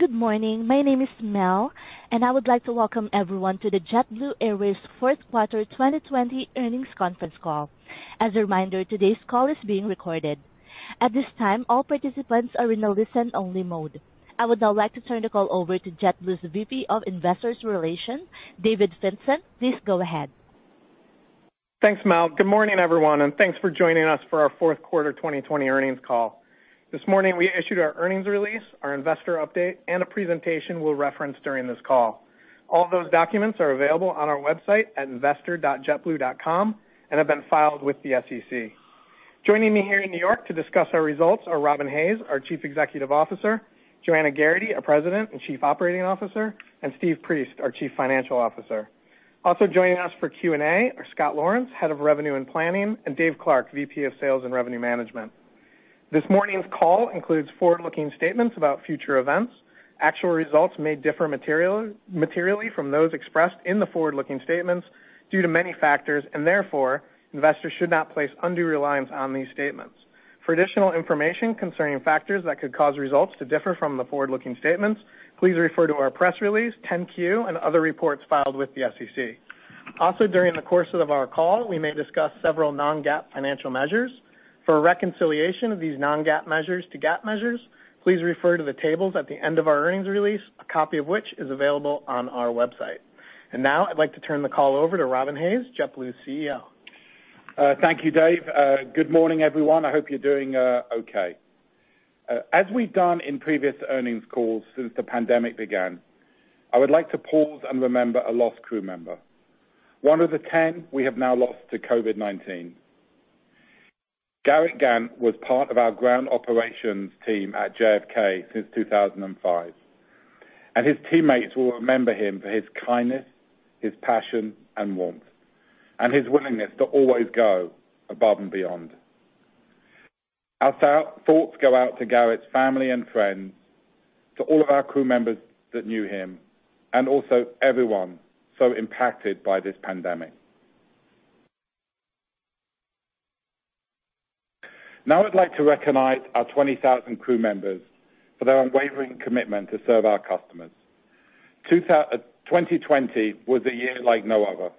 Good morning. My name is Mel, and I would like to welcome everyone to the JetBlue Airways fourth quarter 2020 earnings conference call. As a reminder, today's call is being recorded. At this time, all participants are in a listen-only mode. I would now like to turn the call over to JetBlue's VP of Investor Relations, David Fintzen. Please go ahead. Thanks, Mel. Good morning, everyone, thanks for joining us for our fourth quarter 2020 earnings call. This morning we issued our earnings release, our investor update, a presentation we'll reference during this call. All those documents are available on our website at investor.jetblue.com have been filed with the SEC. Joining me here in New York to discuss our results are Robin Hayes, our Chief Executive Officer, Joanna Geraghty, our President and Chief Operating Officer, Steve Priest, our Chief Financial Officer. Also joining us for Q&A are Scott Laurence, Head of Revenue and Planning, Dave Clark, VP of Sales and Revenue Management. This morning's call includes forward-looking statements about future events. Actual results may differ materially from those expressed in the forward-looking statements due to many factors, therefore investors should not place undue reliance on these statements. For additional information concerning factors that could cause results to differ from the forward-looking statements, please refer to our press release, 10-Q, and other reports filed with the SEC. During the course of our call, we may discuss several non-GAAP financial measures. For a reconciliation of these non-GAAP measures to GAAP measures, please refer to the tables at the end of our earnings release, a copy of which is available on our website. I'd like to turn the call over to Robin Hayes, JetBlue's CEO. Thank you, Dave. Good morning, everyone. I hope you're doing okay. As we've done in previous earnings calls since the pandemic began, I would like to pause and remember a lost crew member, one of the 10 we have now lost to COVID-19. Garrett Gant was part of our ground operations team at JFK since 2005. His teammates will remember him for his kindness, his passion, and warmth, and his willingness to always go above and beyond. Our thoughts go out to Garrett's family and friends, to all of our crew members that knew him. Also everyone so impacted by this pandemic. Now I'd like to recognize our 20,000 crew members for their unwavering commitment to serve our customers. 2020 was a year like no other,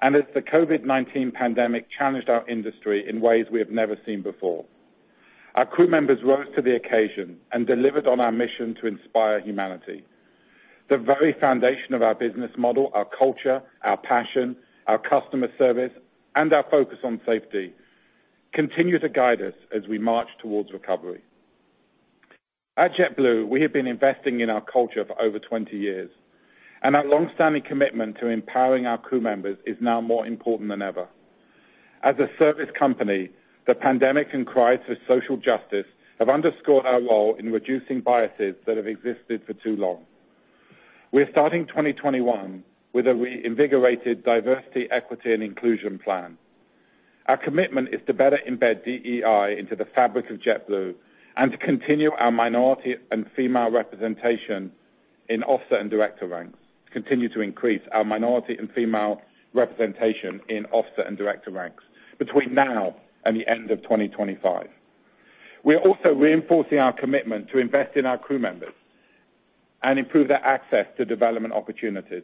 and as the COVID-19 pandemic challenged our industry in ways we have never seen before, our crew members rose to the occasion and delivered on our mission to inspire humanity. The very foundation of our business model, our culture, our passion, our customer service, and our focus on safety continue to guide us as we march towards recovery. At JetBlue, we have been investing in our culture for over 20 years, and our longstanding commitment to empowering our crew members is now more important than ever. As a service company, the pandemic and cries for social justice have underscored our role in reducing biases that have existed for too long. We're starting 2021 with a reinvigorated Diversity, Equity, and Inclusion plan. Our commitment is to better embed DEI into the fabric of JetBlue and to continue to increase our minority and female representation in officer and director ranks between now and the end of 2025. We are also reinforcing our commitment to invest in our crew members and improve their access to development opportunities.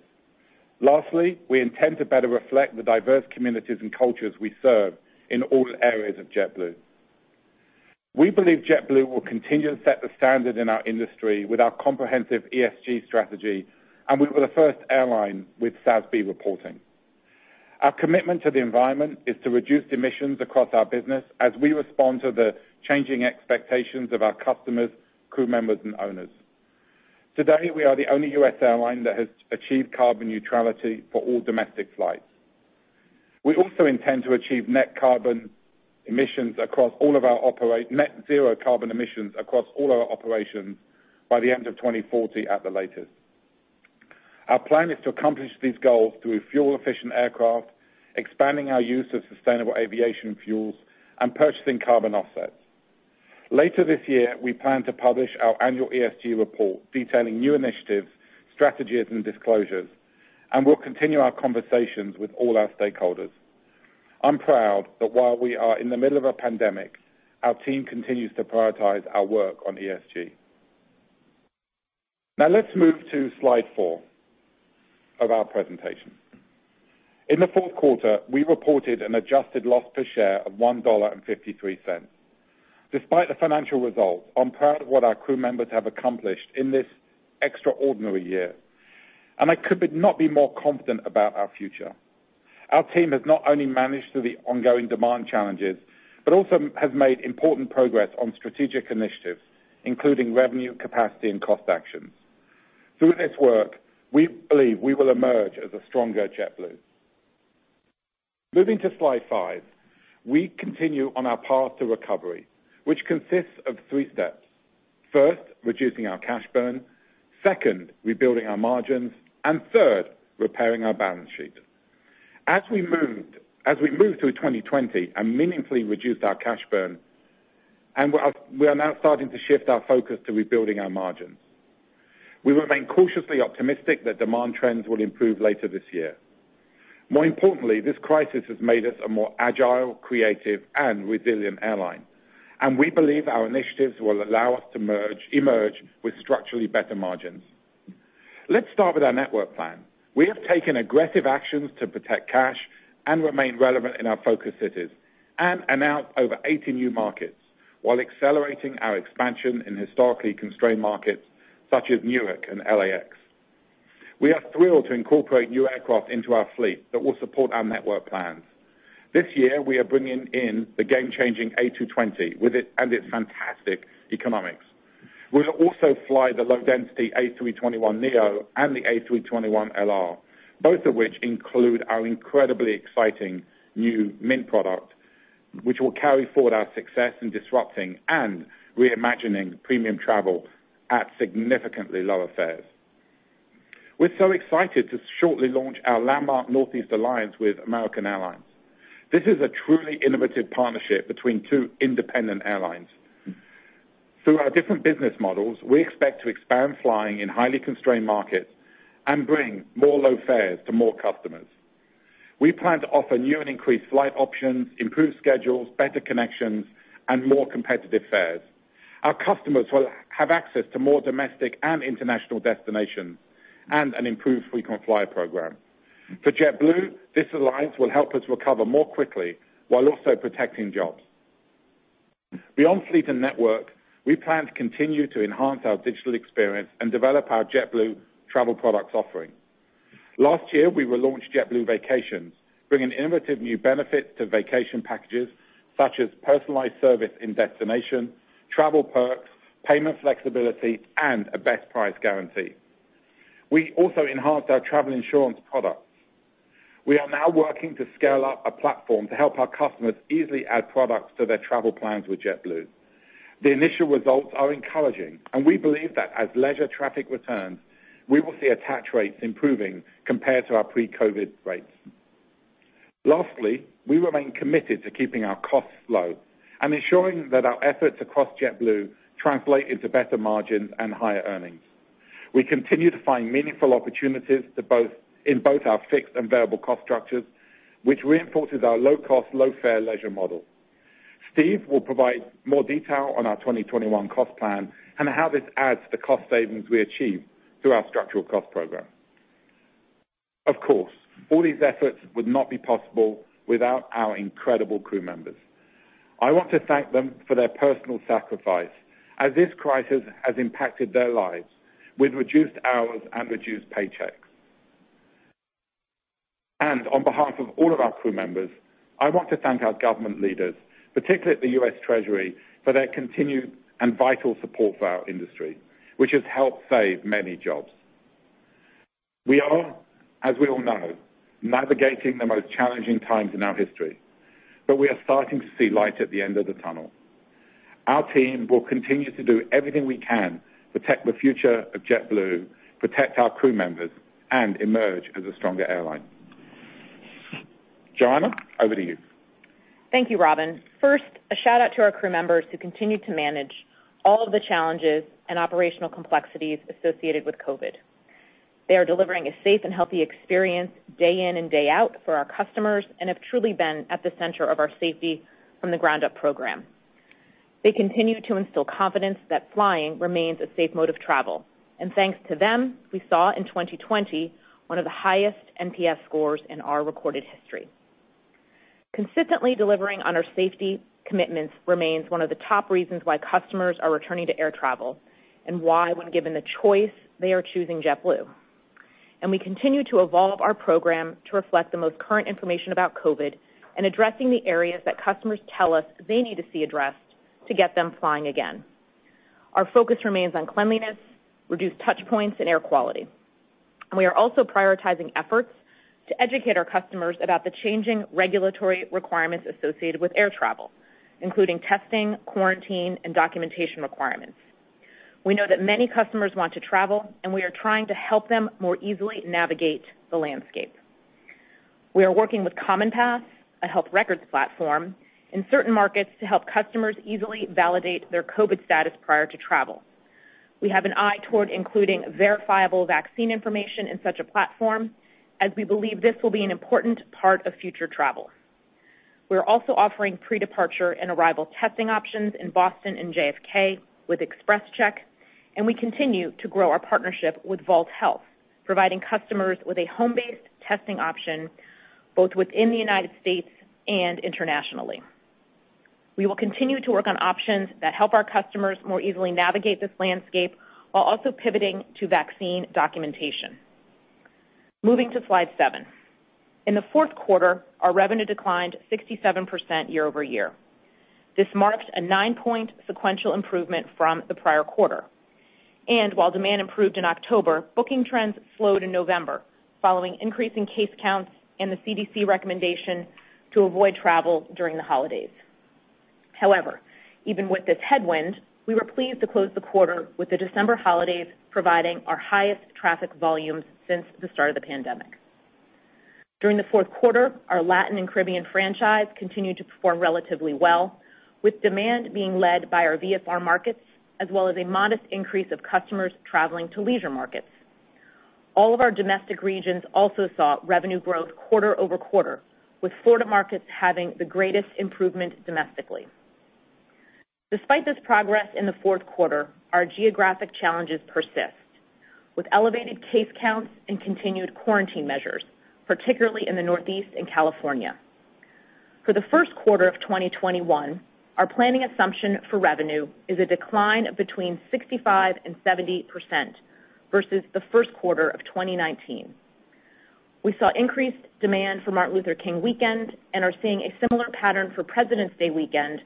Lastly, we intend to better reflect the diverse communities and cultures we serve in all areas of JetBlue. We believe JetBlue will continue to set the standard in our industry with our comprehensive ESG strategy, and we were the first airline with SASB reporting. Our commitment to the environment is to reduce emissions across our business as we respond to the changing expectations of our customers, crew members, and owners. To date, we are the only U.S. airline that has achieved carbon neutrality for all domestic flights. We also intend to achieve net zero carbon emissions across all our operations by the end of 2040 at the latest. Our plan is to accomplish these goals through fuel-efficient aircraft, expanding our use of sustainable aviation fuels, and purchasing carbon offsets. Later this year, we plan to publish our annual ESG report detailing new initiatives, strategies, and disclosures. We'll continue our conversations with all our stakeholders. I'm proud that while we are in the middle of a pandemic, our team continues to prioritize our work on ESG. Let's move to slide four of our presentation. In the fourth quarter, we reported an adjusted loss per share of $1.53. Despite the financial results, I'm proud of what our crew members have accomplished in this extraordinary year, and I could not be more confident about our future. Our team has not only managed through the ongoing demand challenges, but also has made important progress on strategic initiatives, including revenue, capacity, and cost actions. Through this work, we believe we will emerge as a stronger JetBlue. Moving to slide five. We continue on our path to recovery, which consists of three steps. First, reducing our cash burn. Second, rebuilding our margins. Third, repairing our balance sheet. As we move through 2020 and meaningfully reduced our cash burn, we are now starting to shift our focus to rebuilding our margins. We remain cautiously optimistic that demand trends will improve later this year. More importantly, this crisis has made us a more agile, creative, and resilient airline. We believe our initiatives will allow us to emerge with structurally better margins. Let's start with our network plan. We have taken aggressive actions to protect cash and remain relevant in our focus cities, and announced over 80 new markets, while accelerating our expansion in historically constrained markets such as Newark and LAX. We are thrilled to incorporate new aircraft into our fleet that will support our network plans. This year, we are bringing in the game-changing A220 and its fantastic economics. We'll also fly the low-density A321neo and the A321LR, both of which include our incredibly exciting new Mint product, which will carry forward our success in disrupting and reimagining premium travel at significantly lower fares. We're so excited to shortly launch our landmark Northeast alliance with American Airlines. This is a truly innovative partnership between two independent airlines. Through our different business models, we expect to expand flying in highly constrained markets and bring more low fares to more customers. We plan to offer new and increased flight options, improved schedules, better connections, and more competitive fares. Our customers will have access to more domestic and international destinations, and an improved frequent flyer program. For JetBlue, this alliance will help us recover more quickly while also protecting jobs. Beyond fleet and network, we plan to continue to enhance our digital experience and develop our JetBlue Travel Products offering. Last year, we relaunched JetBlue Vacations, bringing innovative new benefits to vacation packages such as personalized service and destination, travel perks, payment flexibility, and a best price guarantee. We also enhanced our travel insurance products. We are now working to scale up a platform to help our customers easily add products to their travel plans with JetBlue. The initial results are encouraging, and we believe that as leisure traffic returns, we will see attach rates improving compared to our pre-COVID rates. Lastly, we remain committed to keeping our costs low and ensuring that our efforts across JetBlue translate into better margins and higher earnings. We continue to find meaningful opportunities in both our fixed and variable cost structures, which reinforces our low-cost, low-fare leisure model. Steve will provide more detail on our 2021 cost plan and how this adds to the cost savings we achieve through our structural cost program. Of course, all these efforts would not be possible without our incredible crew members. I want to thank them for their personal sacrifice, as this crisis has impacted their lives with reduced hours and reduced paychecks. On behalf of all of our crew members, I want to thank our government leaders, particularly the US Treasury, for their continued and vital support for our industry, which has helped save many jobs. We are, as we all know, navigating the most challenging times in our history, but we are starting to see light at the end of the tunnel. Our team will continue to do everything we can to protect the future of JetBlue, protect our crew members, and emerge as a stronger airline. Joanna, over to you. Thank you, Robin. First, a shout-out to our crew members who continue to manage all of the challenges and operational complexities associated with COVID. They are delivering a safe and healthy experience day in and day out for our customers and have truly been at the center of our Safety from the Ground-Up Program. They continue to instill confidence that flying remains a safe mode of travel. Thanks to them, we saw in 2020, one of the highest NPS scores in our recorded history. Consistently delivering on our safety commitments remains one of the top reasons why customers are returning to air travel and why, when given the choice, they are choosing JetBlue. We continue to evolve our program to reflect the most current information about COVID and addressing the areas that customers tell us they need to see addressed to get them flying again. Our focus remains on cleanliness, reduced touchpoints, and air quality. We are also prioritizing efforts to educate our customers about the changing regulatory requirements associated with air travel, including testing, quarantine, and documentation requirements. We know that many customers want to travel, and we are trying to help them more easily navigate the landscape. We are working with CommonPass, a health records platform, in certain markets to help customers easily validate their COVID status prior to travel. We have an eye toward including verifiable vaccine information in such a platform, as we believe this will be an important part of future travel. We are also offering pre-departure and arrival testing options in Boston and JFK with XpresCheck, and we continue to grow our partnership with Vault Health, providing customers with a home-based testing option both within the United States and internationally. We will continue to work on options that help our customers more easily navigate this landscape while also pivoting to vaccine documentation. Moving to slide seven. In the fourth quarter, our revenue declined 67% year-over-year. This marked a nine-point sequential improvement from the prior quarter. While demand improved in October, booking trends slowed in November, following increasing case counts and the CDC recommendation to avoid travel during the holidays. However, even with this headwind, we were pleased to close the quarter with the December holidays providing our highest traffic volumes since the start of the pandemic. During the fourth quarter, our Latin and Caribbean franchise continued to perform relatively well, with demand being led by our VFR markets, as well as a modest increase of customers traveling to leisure markets. All of our domestic regions also saw revenue growth quarter-over-quarter, with Florida markets having the greatest improvement domestically. Despite this progress in the fourth quarter, our geographic challenges persist, with elevated case counts and continued quarantine measures, particularly in the Northeast and California. For the first quarter of 2021, our planning assumption for revenue is a decline of between 65% and 70% versus the first quarter of 2019. We saw increased demand for Martin Luther King weekend and are seeing a similar pattern for Presidents' Day weekend,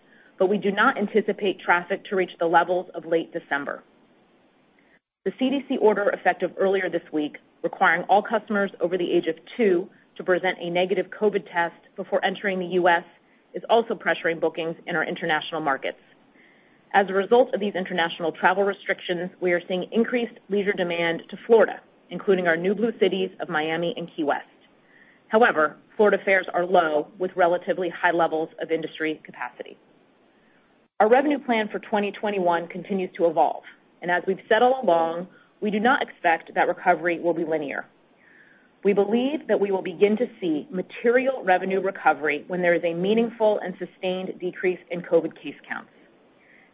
we do not anticipate traffic to reach the levels of late December. The CDC order effective earlier this week requiring all customers over the age of two to present a negative COVID test before entering the U.S. is also pressuring bookings in our international markets. As a result of these international travel restrictions, we are seeing increased leisure demand to Florida, including our new Blue cities of Miami and Key West. However, Florida fares are low with relatively high levels of industry capacity. Our revenue plan for 2021 continues to evolve, and as we've said all along, we do not expect that recovery will be linear. We believe that we will begin to see material revenue recovery when there is a meaningful and sustained decrease in COVID case counts.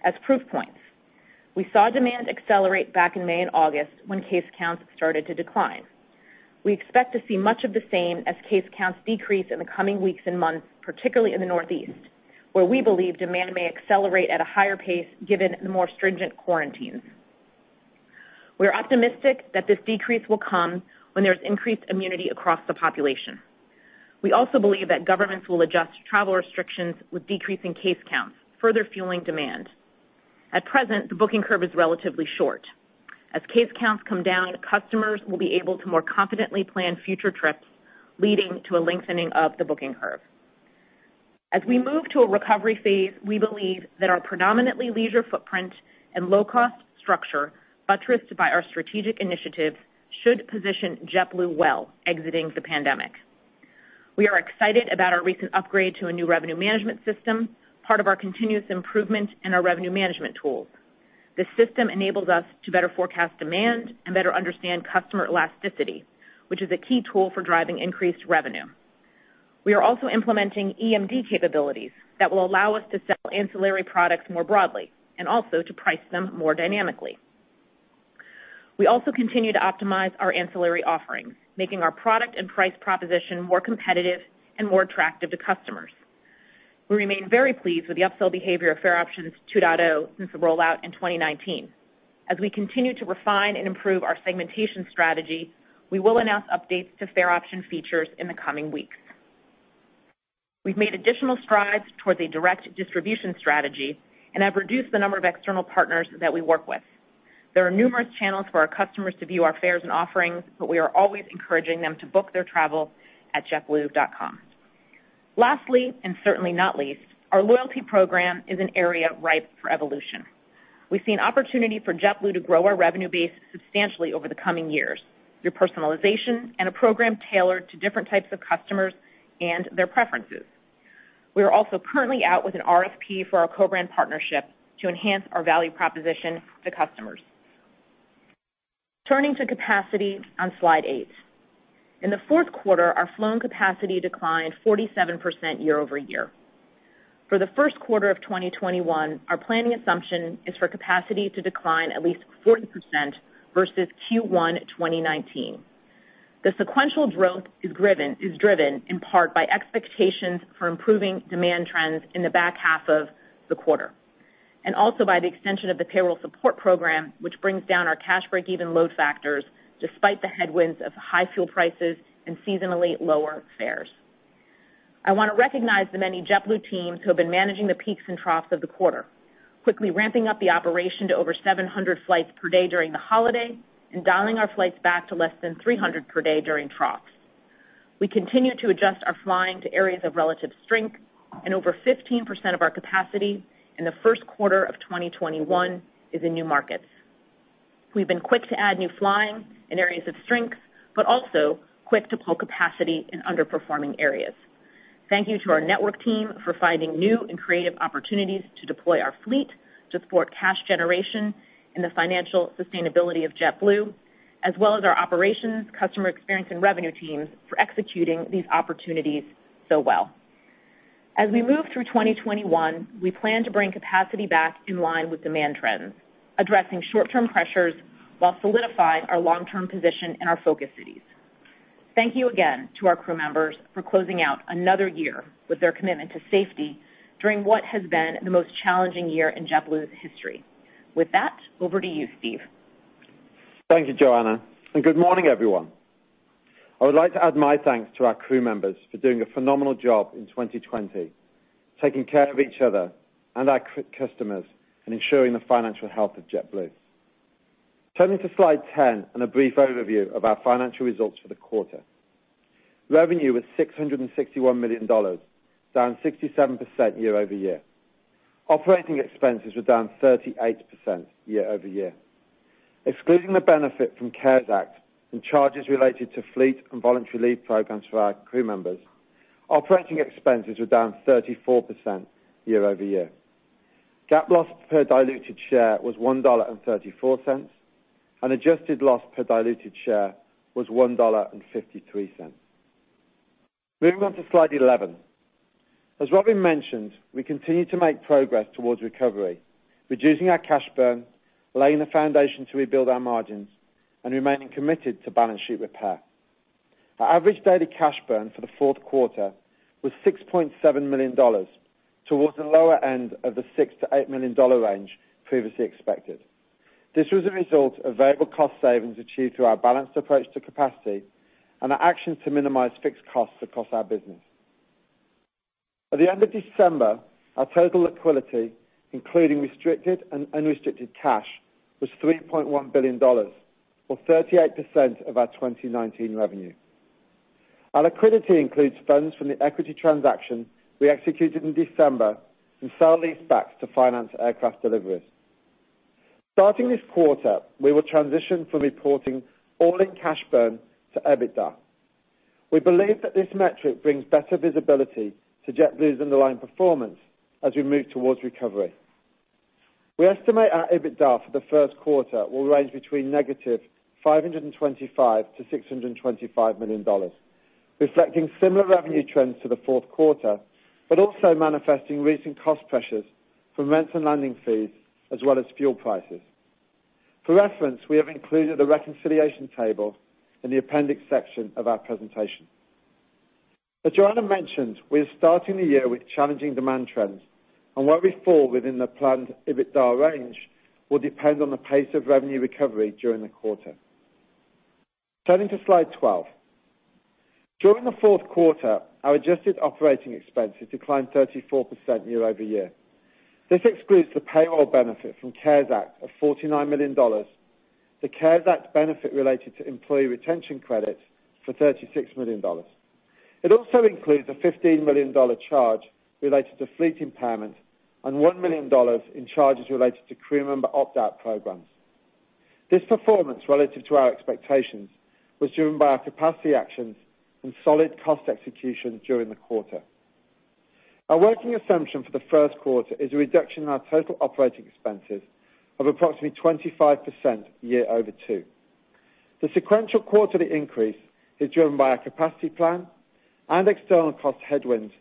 As proof points, we saw demand accelerate back in May and August when case counts started to decline. We expect to see much of the same as case counts decrease in the coming weeks and months, particularly in the Northeast, where we believe demand may accelerate at a higher pace given the more stringent quarantines. We're optimistic that this decrease will come when there's increased immunity across the population. We also believe that governments will adjust travel restrictions with decreasing case counts, further fueling demand. At present, the booking curve is relatively short. As case counts come down, customers will be able to more confidently plan future trips, leading to a lengthening of the booking curve. As we move to a recovery phase, we believe that our predominantly leisure footprint and low-cost structure, buttressed by our strategic initiatives, should position JetBlue well exiting the pandemic. We are excited about our recent upgrade to a new revenue management system, part of our continuous improvement in our revenue management tools. This system enables us to better forecast demand and better understand customer elasticity, which is a key tool for driving increased revenue. We are also implementing EMD capabilities that will allow us to sell ancillary products more broadly and also to price them more dynamically. We also continue to optimize our ancillary offerings, making our product and price proposition more competitive and more attractive to customers. We remain very pleased with the upsell behavior of Fare Options 2.0 since the rollout in 2019. As we continue to refine and improve our segmentation strategy, we will announce updates to fare option features in the coming weeks. We've made additional strides towards a direct distribution strategy and have reduced the number of external partners that we work with. There are numerous channels for our customers to view our fares and offerings, but we are always encouraging them to book their travel at jetblue.com. Lastly, and certainly not least, our loyalty program is an area ripe for evolution. We see an opportunity for JetBlue to grow our revenue base substantially over the coming years through personalization and a program tailored to different types of customers and their preferences. We are also currently out with an RFP for our co-brand partnership to enhance our value proposition to customers. Turning to capacity on slide eight. In the fourth quarter, our flown capacity declined 47% year-over-year. For the first quarter of 2021, our planning assumption is for capacity to decline at least 40% versus Q1 2019. The sequential growth is driven in part by expectations for improving demand trends in the back half of the quarter, and also by the extension of the payroll support program, which brings down our cash break-even load factors despite the headwinds of high fuel prices and seasonally lower fares. I want to recognize the many JetBlue teams who have been managing the peaks and troughs of the quarter, quickly ramping up the operation to over 700 flights per day during the holiday and dialing our flights back to less than 300 per day during troughs. We continue to adjust our flying to areas of relative strength, and over 15% of our capacity in the first quarter of 2021 is in new markets. We've been quick to add new flying in areas of strength, but also quick to pull capacity in underperforming areas. Thank you to our network team for finding new and creative opportunities to deploy our fleet to support cash generation and the financial sustainability of JetBlue, as well as our operations, customer experience, and revenue teams for executing these opportunities so well. As we move through 2021, we plan to bring capacity back in line with demand trends, addressing short-term pressures while solidifying our long-term position in our focus cities. Thank you again to our crew members for closing out another year with their commitment to safety during what has been the most challenging year in JetBlue's history. With that, over to you, Steve. Thank you, Joanna, and good morning, everyone. I would like to add my thanks to our crew members for doing a phenomenal job in 2020, taking care of each other and our customers and ensuring the financial health of JetBlue. Turning to slide 10 and a brief overview of our financial results for the quarter. Revenue was $661 million, down 67% year-over-year. Operating expenses were down 38% year-over-year. Excluding the benefit from CARES Act and charges related to fleet and voluntary leave programs for our crew members, operating expenses were down 34% year-over-year. GAAP loss per diluted share was $1.34, and adjusted loss per diluted share was $1.53. Moving on to slide 11. As Robin mentioned, we continue to make progress towards recovery, reducing our cash burn, laying the foundation to rebuild our margins, and remaining committed to balance sheet repair. Our average daily cash burn for the fourth quarter was $6.7 million, towards the lower end of the $6 million-$8 million range previously expected. This was a result of variable cost savings achieved through our balanced approach to capacity and our actions to minimize fixed costs across our business. At the end of December, our total liquidity, including restricted and unrestricted cash, was $3.1 billion, or 38% of our 2019 revenue. Our liquidity includes funds from the equity transaction we executed in December and sale leasebacks to finance aircraft deliveries. Starting this quarter, we will transition from reporting all-in cash burn to EBITDA. We believe that this metric brings better visibility to JetBlue's underlying performance as we move towards recovery. We estimate our EBITDA for the first quarter will range between negative $525 million-$625 million, reflecting similar revenue trends to the fourth quarter, also manifesting recent cost pressures from rents and landing fees, as well as fuel prices. For reference, we have included a reconciliation table in the appendix section of our presentation. As Joanna mentioned, we're starting the year with challenging demand trends, where we fall within the planned EBITDA range will depend on the pace of revenue recovery during the quarter. Turning to Slide 12. During the fourth quarter, our adjusted operating expenses declined 34% year-over-year. This excludes the payroll benefit from CARES Act of $49 million, the CARES Act benefit related to employee retention credit for $36 million. It also includes a $15 million charge related to fleet impairment and $1 million in charges related to crew member opt-out programs. This performance, relative to our expectations, was driven by our capacity actions and solid cost execution during the quarter. Our working assumption for the first quarter is a reduction in our total operating expenses of approximately 25% year over two. The sequential quarterly increase is driven by our capacity plan and external cost headwinds,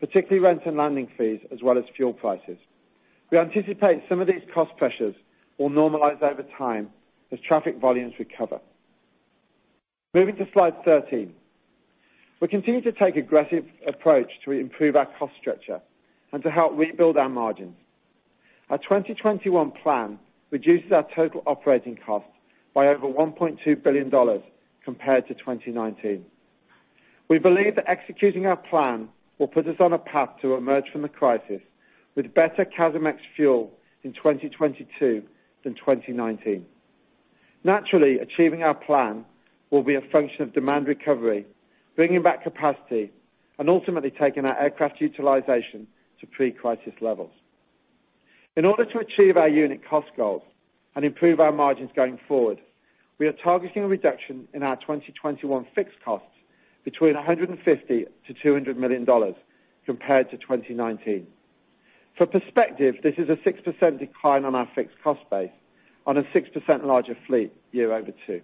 particularly rent and landing fees, as well as fuel prices. We anticipate some of these cost pressures will normalize over time as traffic volumes recover. Moving to Slide 13. We continue to take aggressive approach to improve our cost structure and to help rebuild our margins. Our 2021 plan reduces our total operating costs by over $1.2 billion compared to 2019. We believe that executing our plan will put us on a path to emerge from the crisis with better CASM ex-fuel in 2022 than 2019. Naturally, achieving our plan will be a function of demand recovery, bringing back capacity, and ultimately taking our aircraft utilization to pre-crisis levels. In order to achieve our unit cost goals and improve our margins going forward, we are targeting a reduction in our 2021 fixed costs between $150 million-$200 million compared to 2019. For perspective, this is a 6% decline on our fixed cost base on a 6% larger fleet year over two.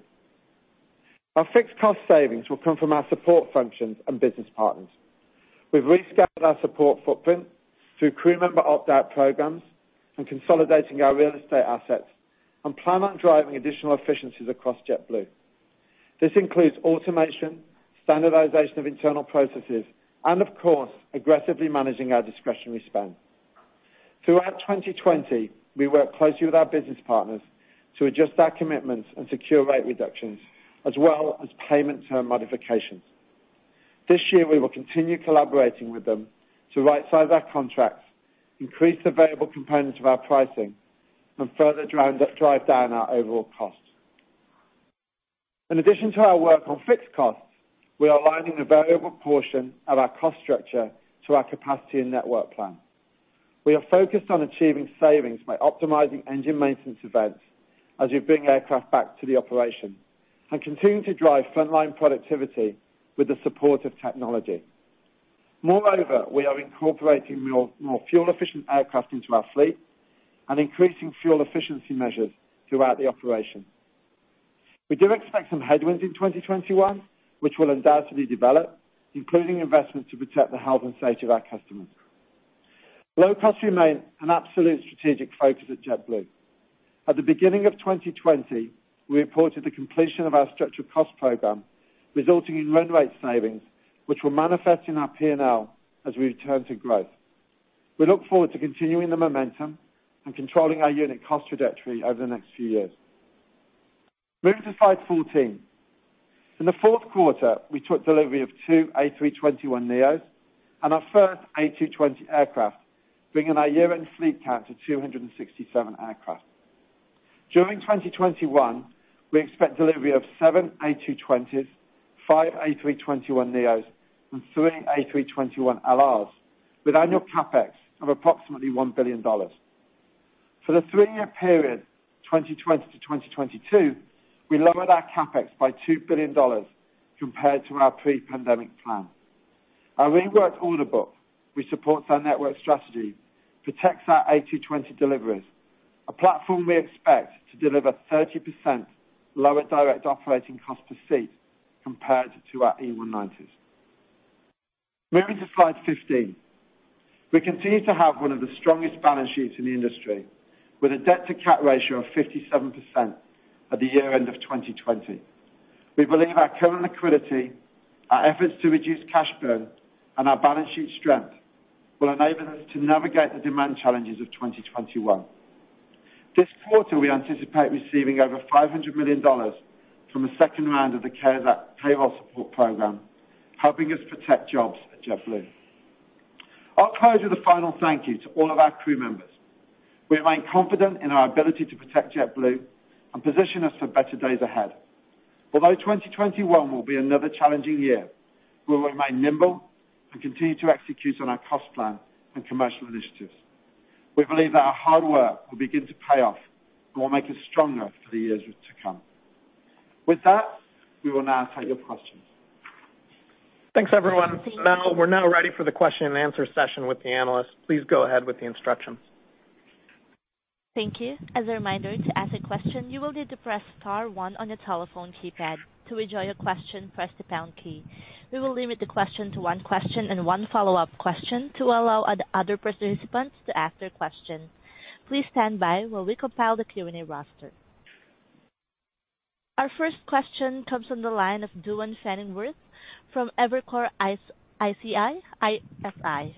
Our fixed cost savings will come from our support functions and business partners. We've rescaled our support footprint through crew member opt-out programs and consolidating our real estate assets, and plan on driving additional efficiencies across JetBlue. This includes automation, standardization of internal processes, and of course, aggressively managing our discretionary spend. Throughout 2020, we worked closely with our business partners to adjust our commitments and secure rate reductions, as well as payment term modifications. This year, we will continue collaborating with them to rightsize our contracts, increase the variable components of our pricing, and further drive down our overall costs. In addition to our work on fixed costs, we are aligning the variable portion of our cost structure to our capacity and network plan. We are focused on achieving savings by optimizing engine maintenance events as we bring aircraft back to the operation and continue to drive frontline productivity with the support of technology. We are incorporating more fuel-efficient aircraft into our fleet and increasing fuel efficiency measures throughout the operation. We do expect some headwinds in 2021, which will undoubtedly develop, including investments to protect the health and safety of our customers. Low costs remain an absolute strategic focus at JetBlue. At the beginning of 2020, we reported the completion of our structural cost program, resulting in run rate savings, which will manifest in our P&L as we return to growth. We look forward to continuing the momentum and controlling our unit cost trajectory over the next few years. Moving to Slide 14. In the fourth quarter, we took delivery of two A321neos and our first A220 aircraft, bringing our year-end fleet count to 267 aircraft. During 2021, we expect delivery of seven A220s, five A321neos, and three A321LRs with annual CapEx of approximately $1 billion. For the three-year period, 2020 to 2022, we lowered our CapEx by $2 billion compared to our pre-pandemic plan. Our reworked order book, which supports our network strategy, protects our A220 deliveries, a platform we expect to deliver 30% lower direct operating cost per seat compared to our E190s. Moving to Slide 15. We continue to have one of the strongest balance sheets in the industry, with a debt-to-cap ratio of 57% at the year-end of 2020. We believe our current liquidity, our efforts to reduce cash burn, and our balance sheet strength will enable us to navigate the demand challenges of 2021. This quarter, we anticipate receiving over $500 million from the second round of the CARES Act payroll support program, helping us protect jobs at JetBlue. I'll close with a final thank you to all of our crew members. We remain confident in our ability to protect JetBlue and position us for better days ahead. 2021 will be another challenging year, we will remain nimble and continue to execute on our cost plan and commercial initiatives. We believe that our hard work will begin to pay off and will make us stronger for the years to come. With that, we will now take your questions. Thanks, everyone. We're now ready for the question and answer session with the analysts. Please go ahead with the instructions. Thank you. As a reminder, to ask a question, you will need to press star one on your telephone keypad. To withdraw your question, press the pound key. We will limit the question to one question and one follow-up question to allow other participants to ask their question. Please stand by while we compile the Q&A roster. Our first question comes from the line of Duane Pfennigwerth from Evercore ISI.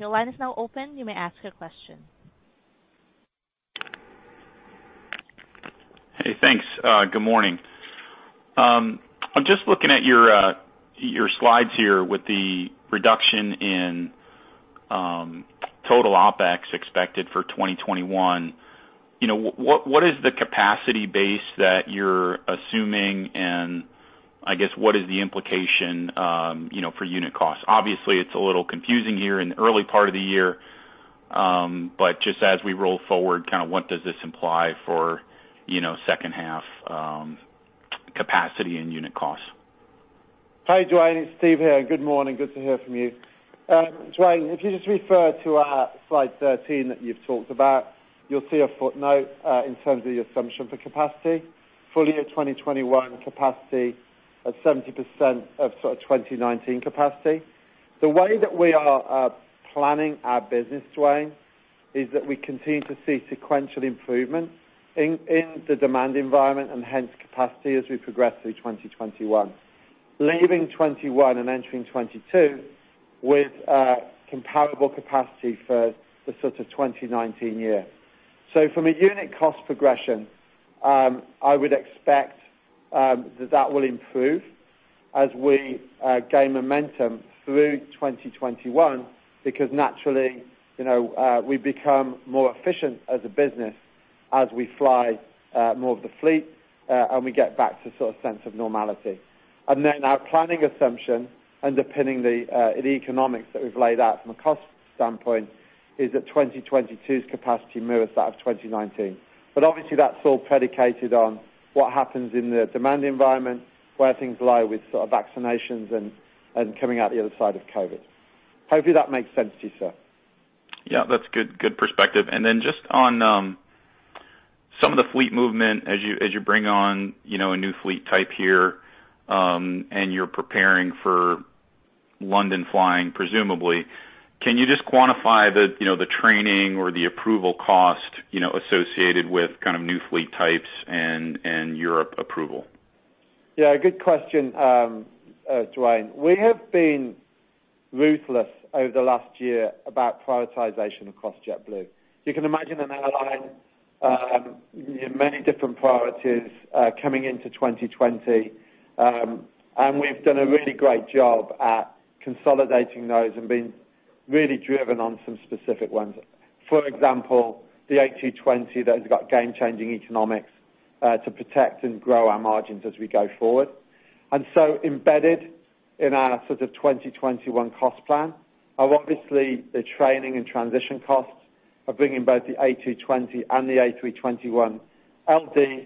Your line is now open. You may ask your question. Hey, thanks. Good morning. I'm just looking at your slides here with the reduction in total OpEx expected for 2021. What is the capacity base that you're assuming, and I guess what is the implication for unit cost? Obviously, it's a little confusing here in the early part of the year. Just as we roll forward, what does this imply for second half capacity and unit cost? Hey, Duane, it's Steve here. Good morning. Good to hear from you. Duane, if you just refer to our slide 13 that you've talked about, you'll see a footnote in terms of the assumption for capacity. Full-year 2021 capacity at 70% of 2019 capacity. The way that we are planning our business, Duane, is that we continue to see sequential improvement in the demand environment and hence capacity as we progress through 2021. Leaving 2021 and entering 2022 with comparable capacity for the sort of 2019 year. From a unit cost progression, I would expect that will improve as we gain momentum through 2021 because naturally, we become more efficient as a business as we fly more of the fleet, and we get back to a sense of normality. Our planning assumption underpinning the economics that we've laid out from a cost standpoint is that 2022's capacity mirrors that of 2019. Obviously, that's all predicated on what happens in the demand environment, where things lie with vaccinations and coming out the other side of COVID-19. Hopefully, that makes sense to you, sir. Yeah, that's good perspective. Just on some of the fleet movement as you bring on a new fleet type here, and you're preparing for London flying, presumably. Can you just quantify the training or the approval cost associated with new fleet types and Europe approval? Yeah, good question, Duane. We have been ruthless over the last year about prioritization across JetBlue. You can imagine an airline, many different priorities coming into 2020, we've done a really great job at consolidating those and being really driven on some specific ones. For example, the A220 that has got game-changing economics to protect and grow our margins as we go forward. Embedded in our sort of 2021 cost plan are obviously the training and transition costs of bringing both the A220 and the A321, the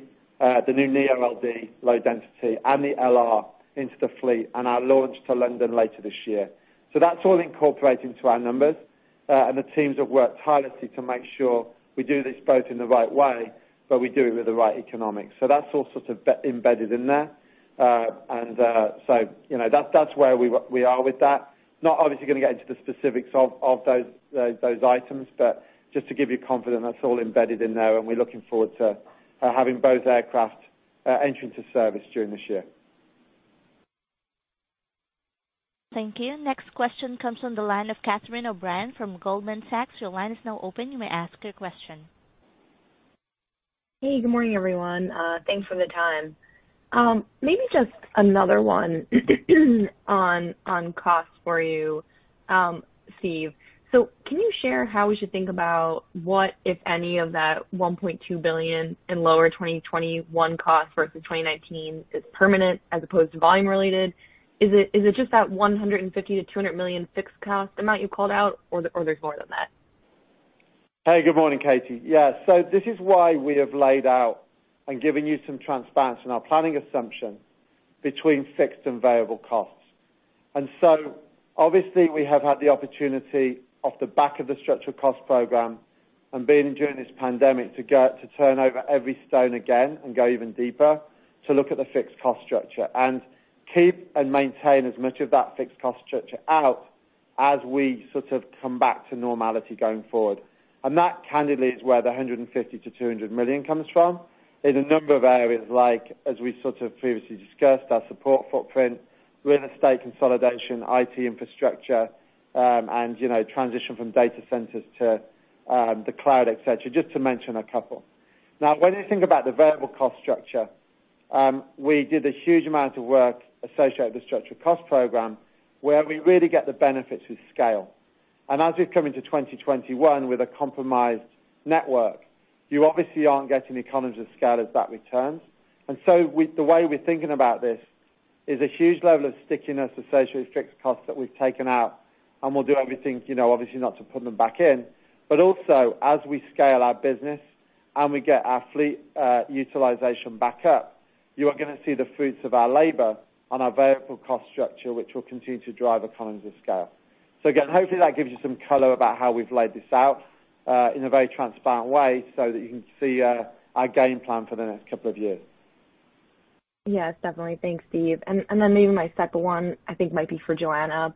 new neo LD, low density, and the LR into the fleet, and our launch to London later this year. That's all incorporated into our numbers, and the teams have worked tirelessly to make sure we do this both in the right way, but we do it with the right economics. That's all sort of embedded in there. That's where we are with that. Not obviously going to get into the specifics of those items, but just to give you confidence, that's all embedded in there, and we're looking forward to having both aircraft enter into service during this year. Thank you. Next question comes from the line of Catherine O'Brien from Goldman Sachs. Hey, good morning, everyone. Thanks for the time. Maybe just another one on cost for you, Steve. Can you share how we should think about what, if any, of that $1.2 billion in lower 2021 cost versus 2019 is permanent as opposed to volume related? Is it just that $150 million-$200 million fixed cost amount you called out, or there's more than that? Hey, good morning, Katie. Yeah, this is why we have laid out and given you some transparency in our planning assumption between fixed and variable costs. Obviously we have had the opportunity off the back of the structural cost program and been during this pandemic to turn over every stone again and go even deeper to look at the fixed cost structure and keep and maintain as much of that fixed cost structure out as we sort of come back to normality going forward. That candidly is where the $150 million-$200 million comes from, in a number of areas like, as we sort of previously discussed, our support footprint, real estate consolidation, IT infrastructure, and transition from data centers to the cloud, et cetera, just to mention a couple. Now, when you think about the variable cost structure, we did a huge amount of work associated with the structural cost program where we really get the benefits with scale. As we've come into 2021 with a compromised network, you obviously aren't getting economies of scale as that returns. The way we're thinking about this is a huge level of stickiness associated with fixed costs that we've taken out, and we'll do everything obviously not to put them back in, but also as we scale our business and we get our fleet utilization back up, you are going to see the fruits of our labor on our variable cost structure, which will continue to drive economies of scale. Again, hopefully that gives you some color about how we've laid this out, in a very transparent way so that you can see our game plan for the next couple of years. Yes, definitely. Thanks, Steve. Maybe my second one I think might be for Joanna.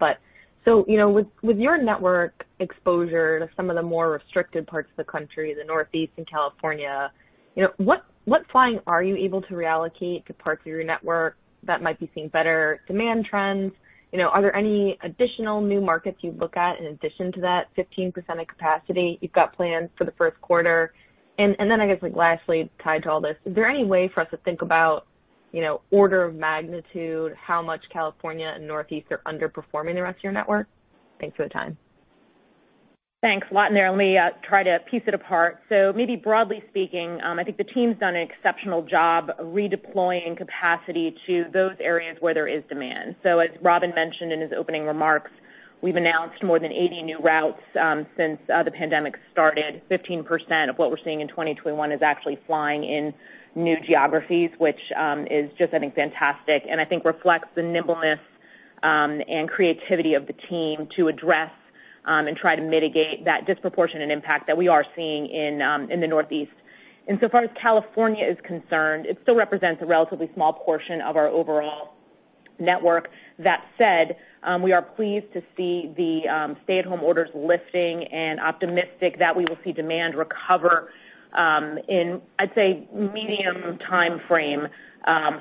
With your network exposure to some of the more restricted parts of the country, the Northeast and California, what flying are you able to reallocate to parts of your network that might be seeing better demand trends? Are there any additional new markets you'd look at in addition to that 15% of capacity you've got planned for the first quarter? I guess like lastly, tied to all this, is there any way for us to think about order of magnitude, how much California and Northeast are underperforming the rest of your network? Thanks for the time. Thanks. A lot in there. Let me try to piece it apart. maybe broadly speaking, I think the team's done an exceptional job redeploying capacity to those areas where there is demand. as Robin mentioned in his opening remarks, we've announced more than 80 new routes since the pandemic started. 15% of what we're seeing in 2021 is actually flying in new geographies, which is just, I think, fantastic, and I think reflects the nimbleness and creativity of the team to address and try to mitigate that disproportionate impact that we are seeing in the Northeast. so far as California is concerned, it still represents a relatively small portion of our overall network. That said, we are pleased to see the stay-at-home orders lifting and optimistic that we will see demand recover in, I'd say, medium timeframe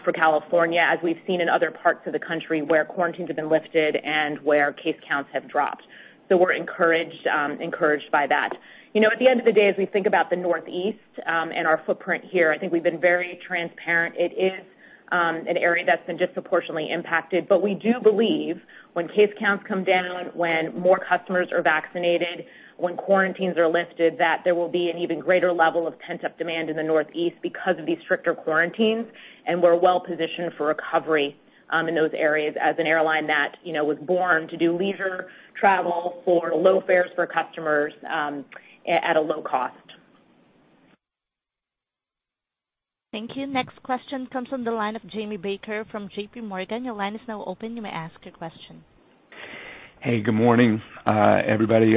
for California, as we've seen in other parts of the country where quarantines have been lifted and where case counts have dropped. We're encouraged by that. At the end of the day, as we think about the Northeast and our footprint here, I think we've been very transparent. It is an area that's been disproportionately impacted. We do believe when case counts come down, when more customers are vaccinated, when quarantines are lifted, that there will be an even greater level of pent-up demand in the Northeast because of these stricter quarantines. We're well-positioned for recovery in those areas as an airline that was born to do leisure travel for low fares for customers at a low cost. Thank you. Next question comes from the line of Jamie Baker from JPMorgan. Your line is now open. You may ask your question. Hey, good morning, everybody.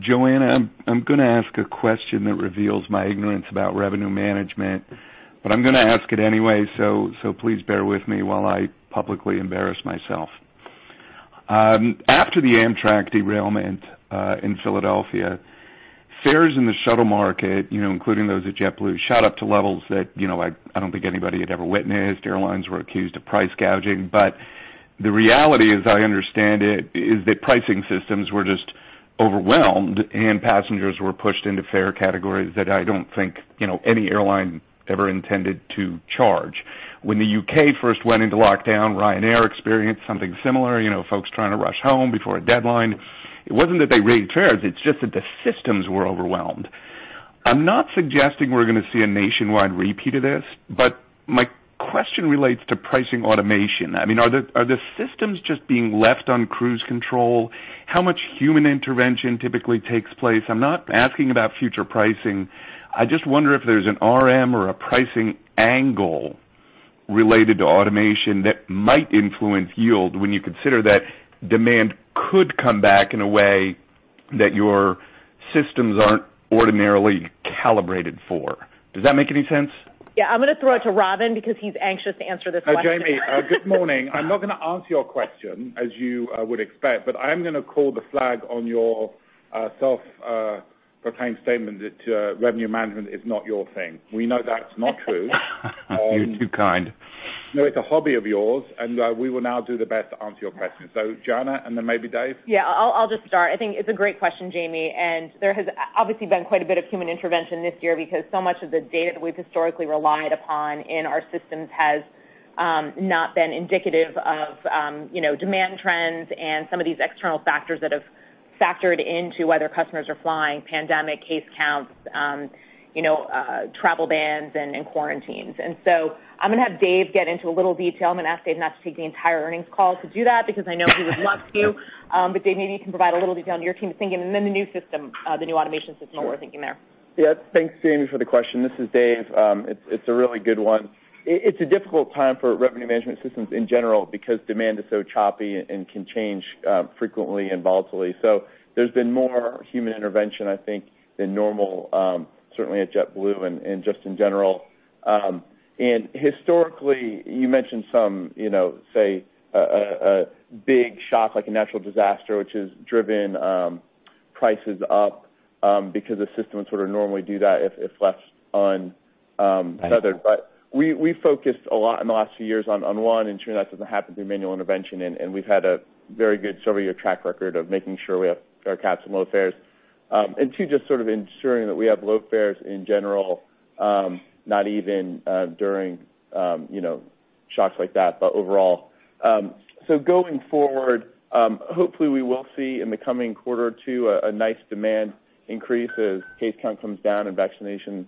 Joanna, I'm going to ask a question that reveals my ignorance about revenue management, but I'm going to ask it anyway, so please bear with me while I publicly embarrass myself. After the Amtrak derailment in Philadelphia, fares in the shuttle market, including those at JetBlue, shot up to levels that I don't think anybody had ever witnessed. Airlines were accused of price gouging. The reality, as I understand it, is that pricing systems were just overwhelmed and passengers were pushed into fare categories that I don't think any airline ever intended to charge. When the U.K. first went into lockdown, Ryanair experienced something similar, folks trying to rush home before a deadline. It wasn't that they raised fares, it's just that the systems were overwhelmed. I'm not suggesting we're going to see a nationwide repeat of this, but my question relates to pricing automation. Are the systems just being left on cruise control? How much human intervention typically takes place? I'm not asking about future pricing. I just wonder if there's an RM or a pricing angle related to automation that might influence yield when you consider that demand could come back in a way that your systems aren't ordinarily calibrated for. Does that make any sense? Yeah, I'm going to throw it to Robin because he's anxious to answer this one. Jamie, good morning. I'm not going to answer your question as you would expect, but I am going to call the flag on your self-proclaimed statement that revenue management is not your thing. We know that's not true. You're too kind. No, it's a hobby of yours, and we will now do the best to answer your question. Joanna, and then maybe Dave. Yeah, I'll just start. I think it's a great question, Jamie. There has obviously been quite a bit of human intervention this year because so much of the data that we've historically relied upon in our systems has not been indicative of demand trends and some of these external factors that have factored into whether customers are flying, pandemic case counts, travel bans, and quarantines. I'm going to have Dave get into a little detail. I'm going to ask Dave not to take the entire earnings call to do that because I know he would love to. Dave, maybe you can provide a little detail on your team's thinking and then the new system, the new automation system and what we're thinking there. Sure. Yeah. Thanks, Jamie, for the question. This is Dave. It's a really good one. It's a difficult time for revenue management systems in general because demand is so choppy and can change frequently and volatilely. There's been more human intervention, I think than normal, certainly at JetBlue and just in general. Historically, you mentioned some, say a big shock, like a natural disaster, which has driven prices up because the system would sort of normally do that. Right. We focused a lot in the last few years on, one, ensuring that doesn't happen through manual intervention, and we've had a very good several-year track record of making sure we have our caps on low fares. Two, just sort of ensuring that we have low fares in general, not even during shocks like that, but overall. Going forward, hopefully we will see in the coming coming quarter or two a nice demand increase as case count comes down and vaccinations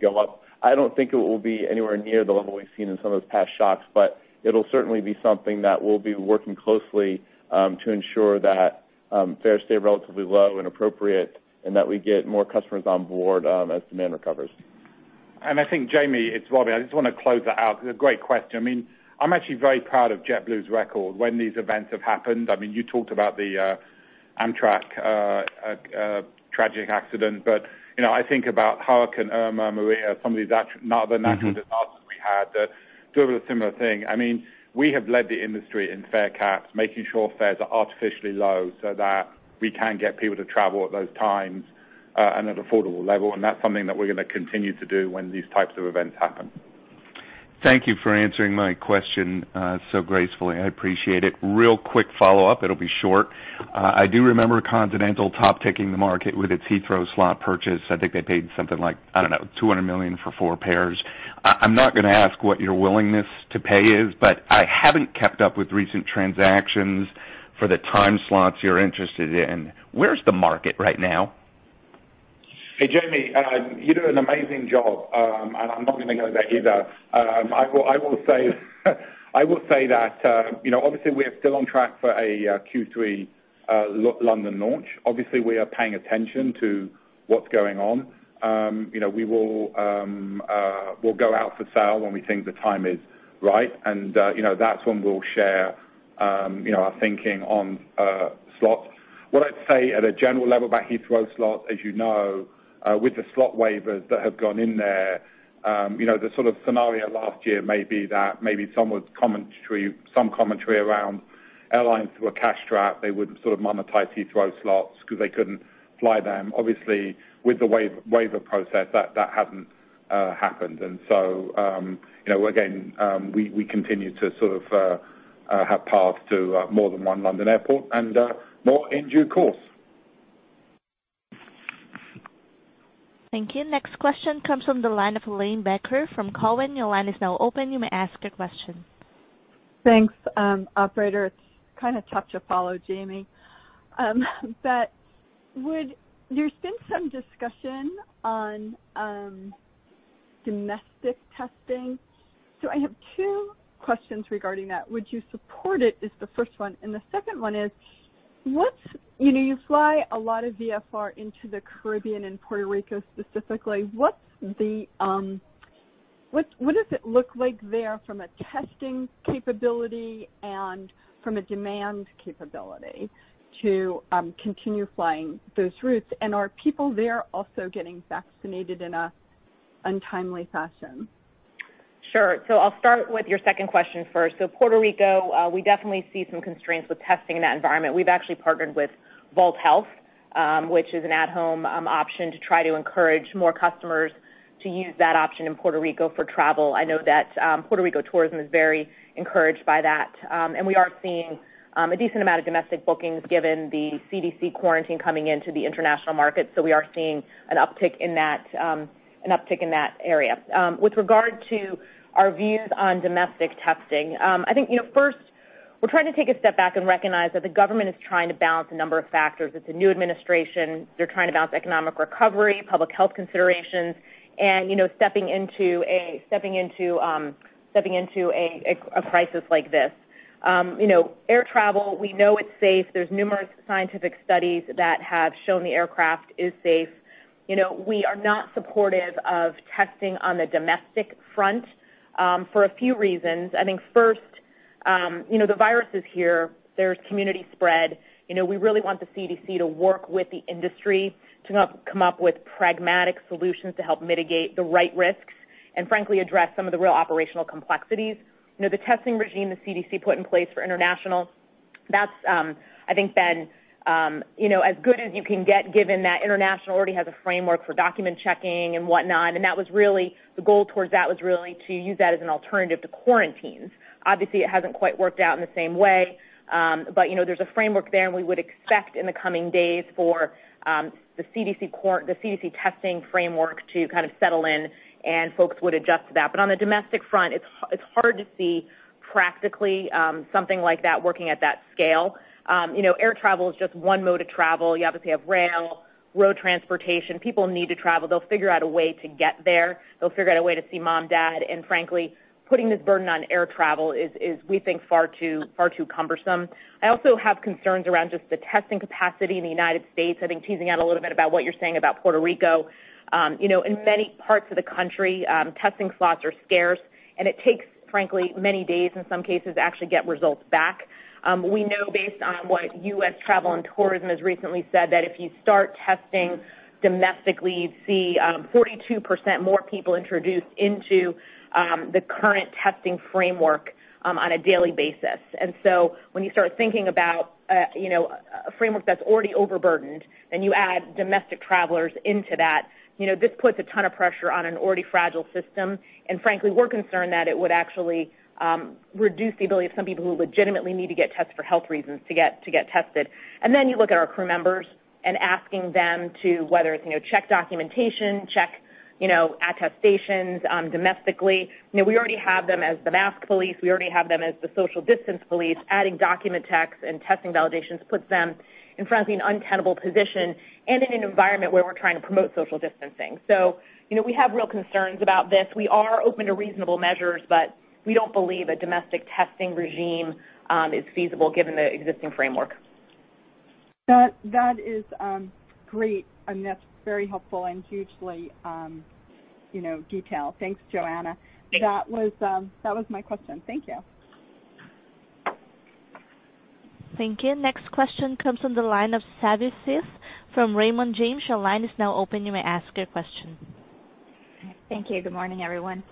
go up. I don't think it will be anywhere near the level we've seen in some of those past shocks, but it'll certainly be something that we'll be working closely to ensure that fares stay relatively low and appropriate, and that we get more customers on board as demand recovers. I think Jamie, it's Robin, I just want to close that out because a great question. I'm actually very proud of JetBlue's record when these events have happened. You talked about the Amtrak tragic accident, but I think about Hurricane Irma, Maria, some of these other natural disasters we had that drove a similar thing. We have led the industry in fare caps, making sure fares are artificially low so that we can get people to travel at those times at an affordable level, and that's something that we're going to continue to do when these types of events happen. Thank you for answering my question so gracefully. I appreciate it. Real quick follow-up. It'll be short. I do remember Continental top-ticking the market with its Heathrow slot purchase. I think they paid something like, I don't know, $200 million for four pairs. I'm not going to ask what your willingness to pay is, but I haven't kept up with recent transactions for the time slots you're interested in. Where's the market right now? Hey Jamie, you do an amazing job. I'm not going to go there either. I will say that obviously we are still on track for a Q3 London launch. Obviously, we are paying attention to what's going on. We'll go out for sale when we think the time is right. That's when we'll share our thinking on slots. What I'd say at a general level about Heathrow slots, as you know with the slot waivers that have gone in there, the sort of scenario last year may be that maybe some commentary around airlines who are cash-strapped, they would sort of monetize Heathrow slots because they couldn't fly them. Obviously with the waiver process that hadn't happened. Again, we continue to sort of have paths to more than one London airport and more in due course. Thank you. Next question comes from the line of Helane Becker from Cowen. Your line is now open. You may ask your question. Thanks, operator. It is kind of tough to follow Jamie. There has been some discussion on domestic testing. I have two questions regarding that. Would you support it? Is the first one. The second one is, you fly a lot of VFR into the Caribbean and Puerto Rico specifically. What does it look like there from a testing capability and from a demand capability to continue flying those routes? Are people there also getting vaccinated in an untimely fashion? Sure. I'll start with your second question first. Puerto Rico, we definitely see some constraints with testing in that environment. We've actually partnered with Vault Health, which is an at-home option to try to encourage more customers to use that option in Puerto Rico for travel. I know that Puerto Rico tourism is very encouraged by that, we are seeing a decent amount of domestic bookings given the CDC quarantine coming into the international market. We are seeing an uptick in that area. With regard to our views on domestic testing, I think first we're trying to take a step back and recognize that the government is trying to balance a number of factors. It's a new administration. They're trying to balance economic recovery, public health considerations, and stepping into a crisis like this. Air travel, we know it's safe. There's numerous scientific studies that have shown the aircraft is safe. We are not supportive of testing on the domestic front for a few reasons. I think first the virus is here, there's community spread. We really want the CDC to work with the industry to come up with pragmatic solutions to help mitigate the right risks and frankly address some of the real operational complexities. The testing regime the CDC put in place for international, that's, I think, as good as you can get, given that international already has a framework for document checking and whatnot. The goal towards that was really to use that as an alternative to quarantines. Obviously, it hasn't quite worked out in the same way. There's a framework there, and we would expect in the coming days for the CDC testing framework to kind of settle in, and folks would adjust to that. On the domestic front, it's hard to see practically something like that working at that scale. Air travel is just one mode of travel. You obviously have rail, road transportation. People need to travel. They'll figure out a way to get there. They'll figure out a way to see mom, dad, and frankly, putting this burden on air travel is, we think, far too cumbersome. I also have concerns around just the testing capacity in the United States, I think teasing out a little bit about what you're saying about Puerto Rico. In many parts of the country, testing slots are scarce and it takes, frankly, many days in some cases, to actually get results back. We know based on what U.S. travel and tourism has recently said, that if you start testing domestically, you'd see 42% more people introduced into the current testing framework on a daily basis. When you start thinking about a framework that's already overburdened and you add domestic travelers into that, this puts a ton of pressure on an already fragile system. Frankly, we're concerned that it would actually reduce the ability of some people who legitimately need to get tested for health reasons to get tested. Then you look at our crew members and asking them to, whether it's check documentation, check attestations domestically. We already have them as the mask police. We already have them as the social distance police. Adding document checks and testing validations puts them in, frankly, an untenable position and in an environment where we're trying to promote social distancing. We have real concerns about this. We are open to reasonable measures, but we don't believe a domestic testing regime is feasible given the existing framework. That is great, that's very helpful and hugely detailed. Thanks, Joanna. That was my question. Thank you. Thank you. Next question comes from the line of Savi Syth from Raymond James. Your line is now open. You may ask your question. Thank you. Good morning, everyone.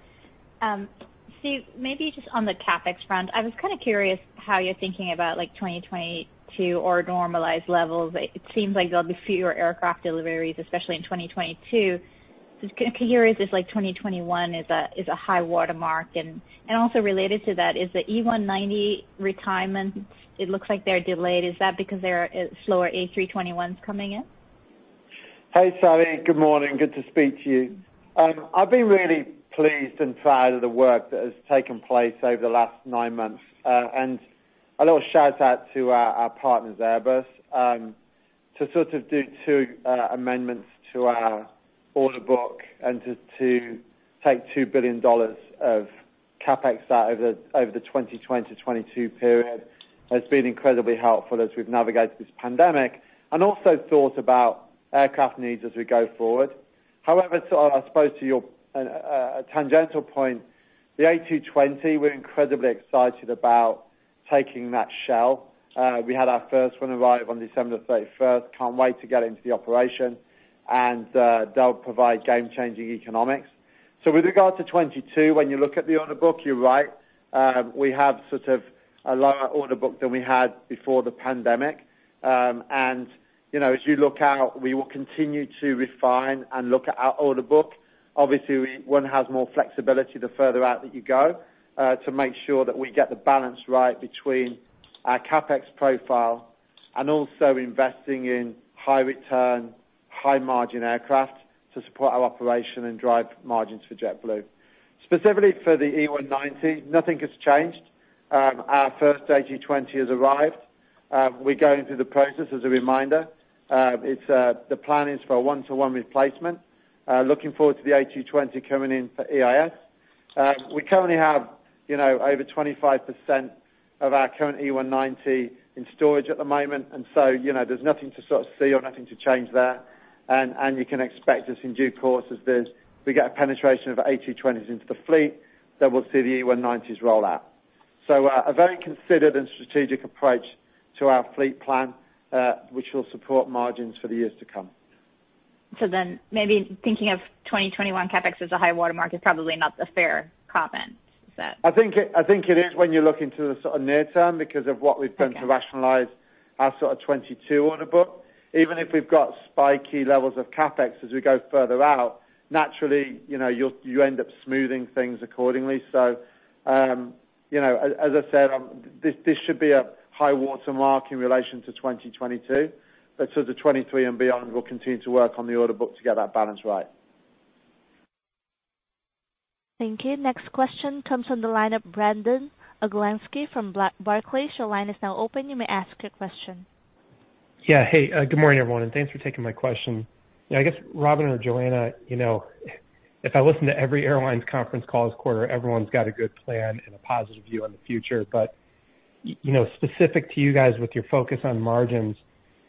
Steve, maybe just on the CapEx front, I was kind of curious how you're thinking about 2022 or normalized levels. It seems like there'll be fewer aircraft deliveries, especially in 2022. Curious if 2021 is a high watermark. Also related to that is the E190 retirement. It looks like they're delayed. Is that because there are slower A321s coming in? Hey, Savi. Good morning. Good to speak to you. I've been really pleased and proud of the work that has taken place over the last nine months. A little shout-out to our partners, Airbus, to sort of do two amendments to our order book and to take $2 billion of CapEx out over the 2020-2022 period has been incredibly helpful as we've navigated this pandemic, and also thought about aircraft needs as we go forward. I suppose to your tangential point, the A220, we're incredibly excited about taking that shell. We had our first one arrive on December 31st, can't wait to get into the operation. They'll provide game-changing economics. With regard to 2022, when you look at the order book, you're right. We have sort of a lower order book than we had before the pandemic. As you look out, we will continue to refine and look at our order book. Obviously, one has more flexibility the further out that you go, to make sure that we get the balance right between our CapEx profile and also investing in high return, high margin aircraft to support our operation and drive margins for JetBlue. Specifically for the E190, nothing has changed. Our first A220 has arrived. We're going through the process as a reminder. The plan is for a one-to-one replacement. Looking forward to the A220 coming in for EIS. We currently have over 25% of our current E190 in storage at the moment, there's nothing to sort of see or nothing to change there. You can expect as in due course as we get a penetration of A220s into the fleet, then we'll see the E190s roll out. A very considered and strategic approach to our fleet plan, which will support margins for the years to come. Maybe thinking of 2021 CapEx as a high watermark is probably not the fair comp then. Is that? I think it is when you look into the sort of near term because of what we've done- Okay. -to rationalize our sort of 2022 order book. Even if we've got spiky levels of CapEx as we go further out, naturally, you end up smoothing things accordingly. As I said, this should be a high watermark in relation to 2022. Sort of 2023 and beyond, we'll continue to work on the order book to get that balance right. Thank you. Next question comes from the line of Brandon Oglenski from Barclays. Your line is now open. You may ask your question. Yeah. Hey, good morning everyone, thanks for taking my question. I guess Robin or Joanna, if I listen to every airline's conference call this quarter, everyone's got a good plan and a positive view on the future. Specific to you guys with your focus on margins,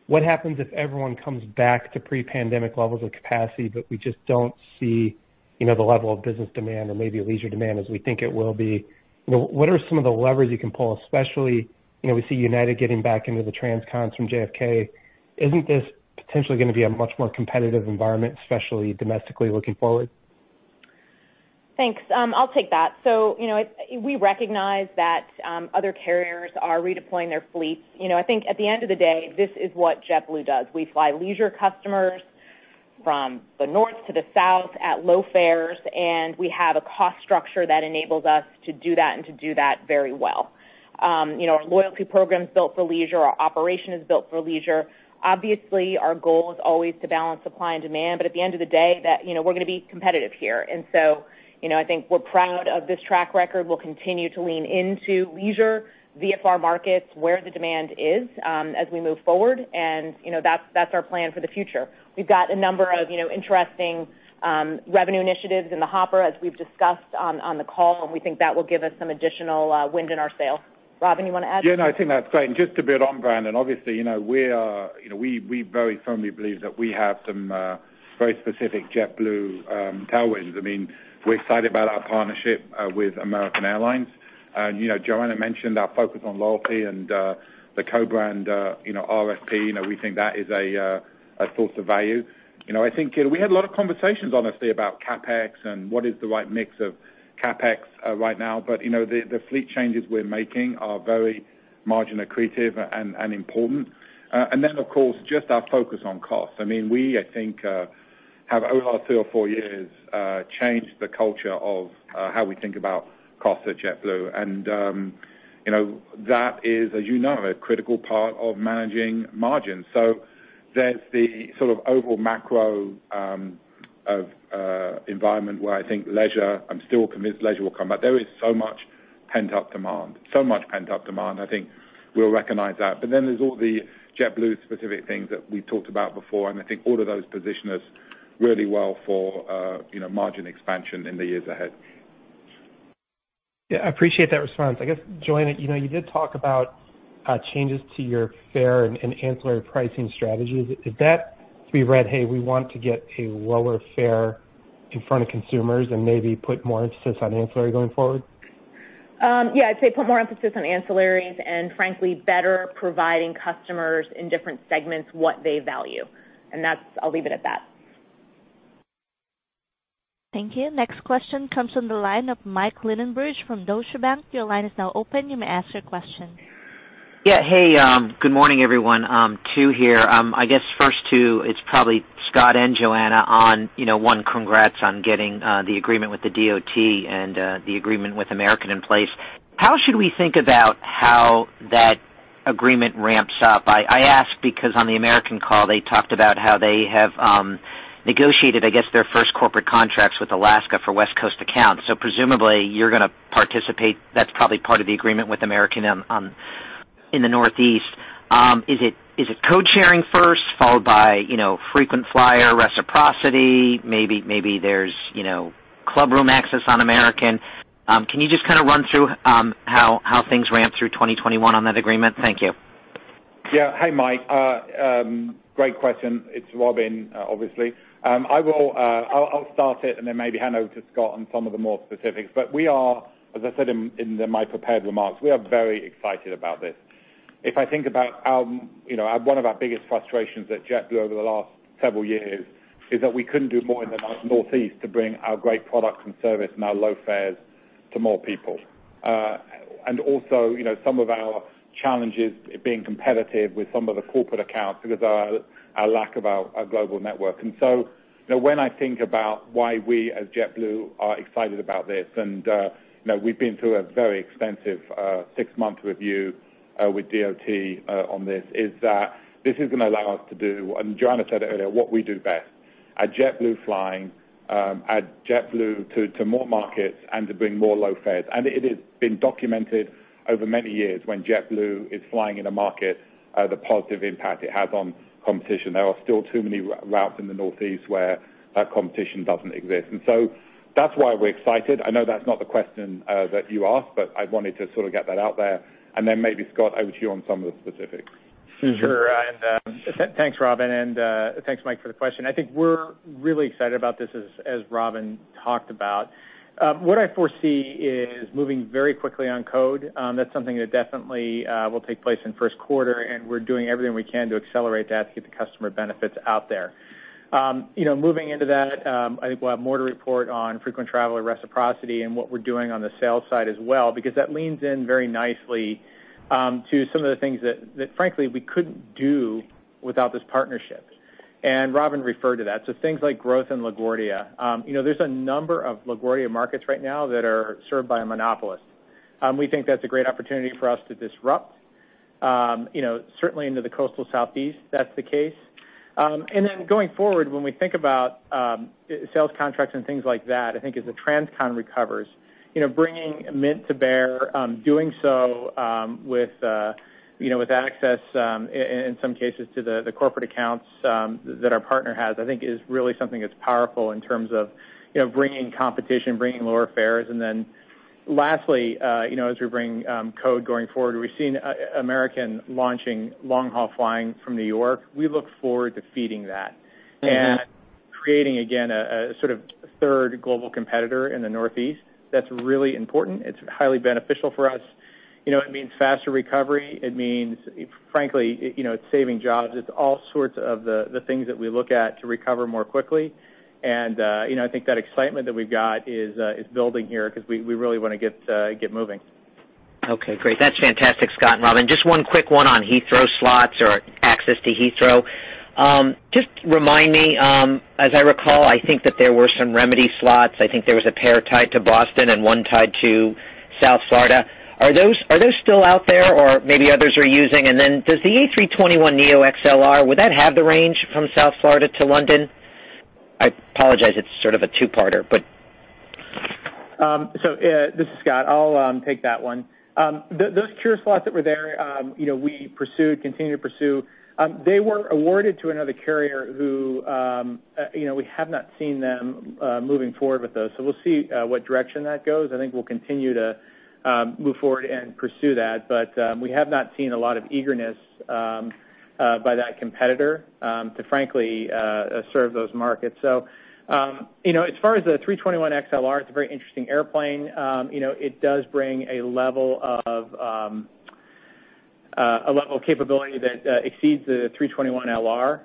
what happens if everyone comes back to pre-pandemic levels of capacity, but we just don't see the level of business demand or maybe leisure demand as we think it will be? What are some of the levers you can pull, especially, we see United getting back into the transcons from JFK. Isn't this potentially going to be a much more competitive environment, especially domestically looking forward? Thanks. I'll take that. We recognize that other carriers are redeploying their fleets. I think at the end of the day, this is what JetBlue does. We fly leisure customers from the north to the south at low fares, and we have a cost structure that enables us to do that, and to do that very well. Our loyalty program is built for leisure, our operation is built for leisure. Obviously, our goal is always to balance supply and demand, but at the end of the day, we're going to be competitive here. I think we're proud of this track record. We'll continue to lean into leisure VFR markets where the demand is as we move forward, and that's our plan for the future. We've got a number of interesting revenue initiatives in the hopper, as we've discussed on the call, and we think that will give us some additional wind in our sails. Robin, you want to add? Yeah, no, I think that's great. Just to build on, Brandon, obviously, we very firmly believe that we have some very specific JetBlue tailwinds. We're excited about our partnership with American Airlines. Joanna mentioned our focus on loyalty and the co-brand RFP. We think that is a source of value. I think we had a lot of conversations, honestly, about CapEx and what is the right mix of CapEx right now. The fleet changes we're making are very margin-accretive and important. Then, of course, just our focus on cost. We, I think have, over the last three or four years, changed the culture of how we think about cost at JetBlue. That is, as you know, a critical part of managing margins. There's the sort of overall macro environment where I think leisure, I'm still convinced leisure will come back. There is so much pent-up demand. I think we'll recognize that. There's all the JetBlue-specific things that we talked about before, and I think all of those position us really well for margin expansion in the years ahead. Yeah, I appreciate that response. I guess, Joanna, you did talk about changes to your fare and ancillary pricing strategies. Is that to be read, "Hey, we want to get a lower fare in front of consumers and maybe put more emphasis on ancillary going forward? Yeah. I'd say put more emphasis on ancillaries and frankly, better providing customers in different segments what they value. I'll leave it at that. Thank you. Next question comes from the line of Mike Linenberg from Deutsche Bank. Your line is now open. You may ask your question. Yeah. Hey, good morning, everyone. Two here. I guess first, to Scott and Joanna, on one, congrats on getting the agreement with the DOT and the agreement with American in place. How should we think about how that agreement ramps up? I ask because on the American call, they talked about how they have negotiated, I guess, their first corporate contracts with Alaska for West Coast accounts. Presumably, you're going to participate. That's probably part of the agreement with American in the Northeast. Is it code sharing first, followed by frequent flyer reciprocity? Maybe there's club room access on American. Can you just kind of run through how things ramp through 2021 on that agreement? Thank you. Yeah. Hey, Mike. Great question. It's Robin, obviously. I'll start it and then maybe hand over to Scott on some of the more specifics. We are, as I said in my prepared remarks, we are very excited about this. If I think about one of our biggest frustrations at JetBlue over the last several years is that we couldn't do more in the Northeast to bring our great product and service and our low fares to more people. Also, some of our challenges being competitive with some of the corporate accounts because our lack of our global network. When I think about why we as JetBlue are excited about this, and we've been through a very extensive six-month review with DOT on this, is that this is going to allow us to do, and Joanna said it earlier, what we do best at JetBlue flying, add JetBlue to more markets and to bring more low fares. It has been documented over many years when JetBlue is flying in a market, the positive impact it has on competition. There are still too many routes in the Northeast where that competition doesn't exist. That's why we're excited. I know that's not the question that you asked, but I wanted to sort of get that out there. Then maybe, Scott, over to you on some of the specifics. Sure. Thanks, Robin, and thanks, Mike, for the question. I think we're really excited about this, as Robin talked about. What I foresee is moving very quickly on code. That's something that definitely will take place in first quarter, and we're doing everything we can to accelerate that to get the customer benefits out there. Moving into that, I think we'll have more to report on frequent traveler reciprocity and what we're doing on the sales side as well, because that leans in very nicely to some of the things that frankly we couldn't do without this partnership. Robin referred to that. Things like growth in LaGuardia. There's a number of LaGuardia markets right now that are served by a monopolist. We think that's a great opportunity for us to disrupt, certainly into the coastal Southeast, that's the case. Then going forward, when we think about sales contracts and things like that, I think as the transcon recovers, bringing Mint to bear, doing so with access in some cases to the corporate accounts that our partner has, I think is really something that's powerful in terms of bringing competition, bringing lower fares. Lastly, as we bring code going forward, we've seen American launching long-haul flying from New York. We look forward to feeding that and creating, again, a sort of third global competitor in the Northeast. That's really important. It's highly beneficial for us. It means faster recovery. It means, frankly, it's saving jobs. It's all sorts of the things that we look at to recover more quickly. I think that excitement that we've got is building here because we really want to get moving. Okay, great. That's fantastic, Scott and Robin. Just one quick one on Heathrow slots or access to Heathrow. Just remind me, as I recall, I think that there were some remedy slots. I think there was a pair tied to Boston and one tied to South Florida. Are those still out there, or maybe others are using? Then does the A321neoXLR, would that have the range from South Florida to London? I apologize it's sort of a two-parter. This is Scott. I'll take that one. Those cure slots that were there, we pursued, continue to pursue. They were awarded to another carrier who we have not seen them moving forward with those. We'll see what direction that goes. I think we'll continue to move forward and pursue that. We have not seen a lot of eagerness by that competitor to frankly serve those markets. As far as the A321XLR, it's a very interesting airplane. It does bring a level of capability that exceeds the A321LR.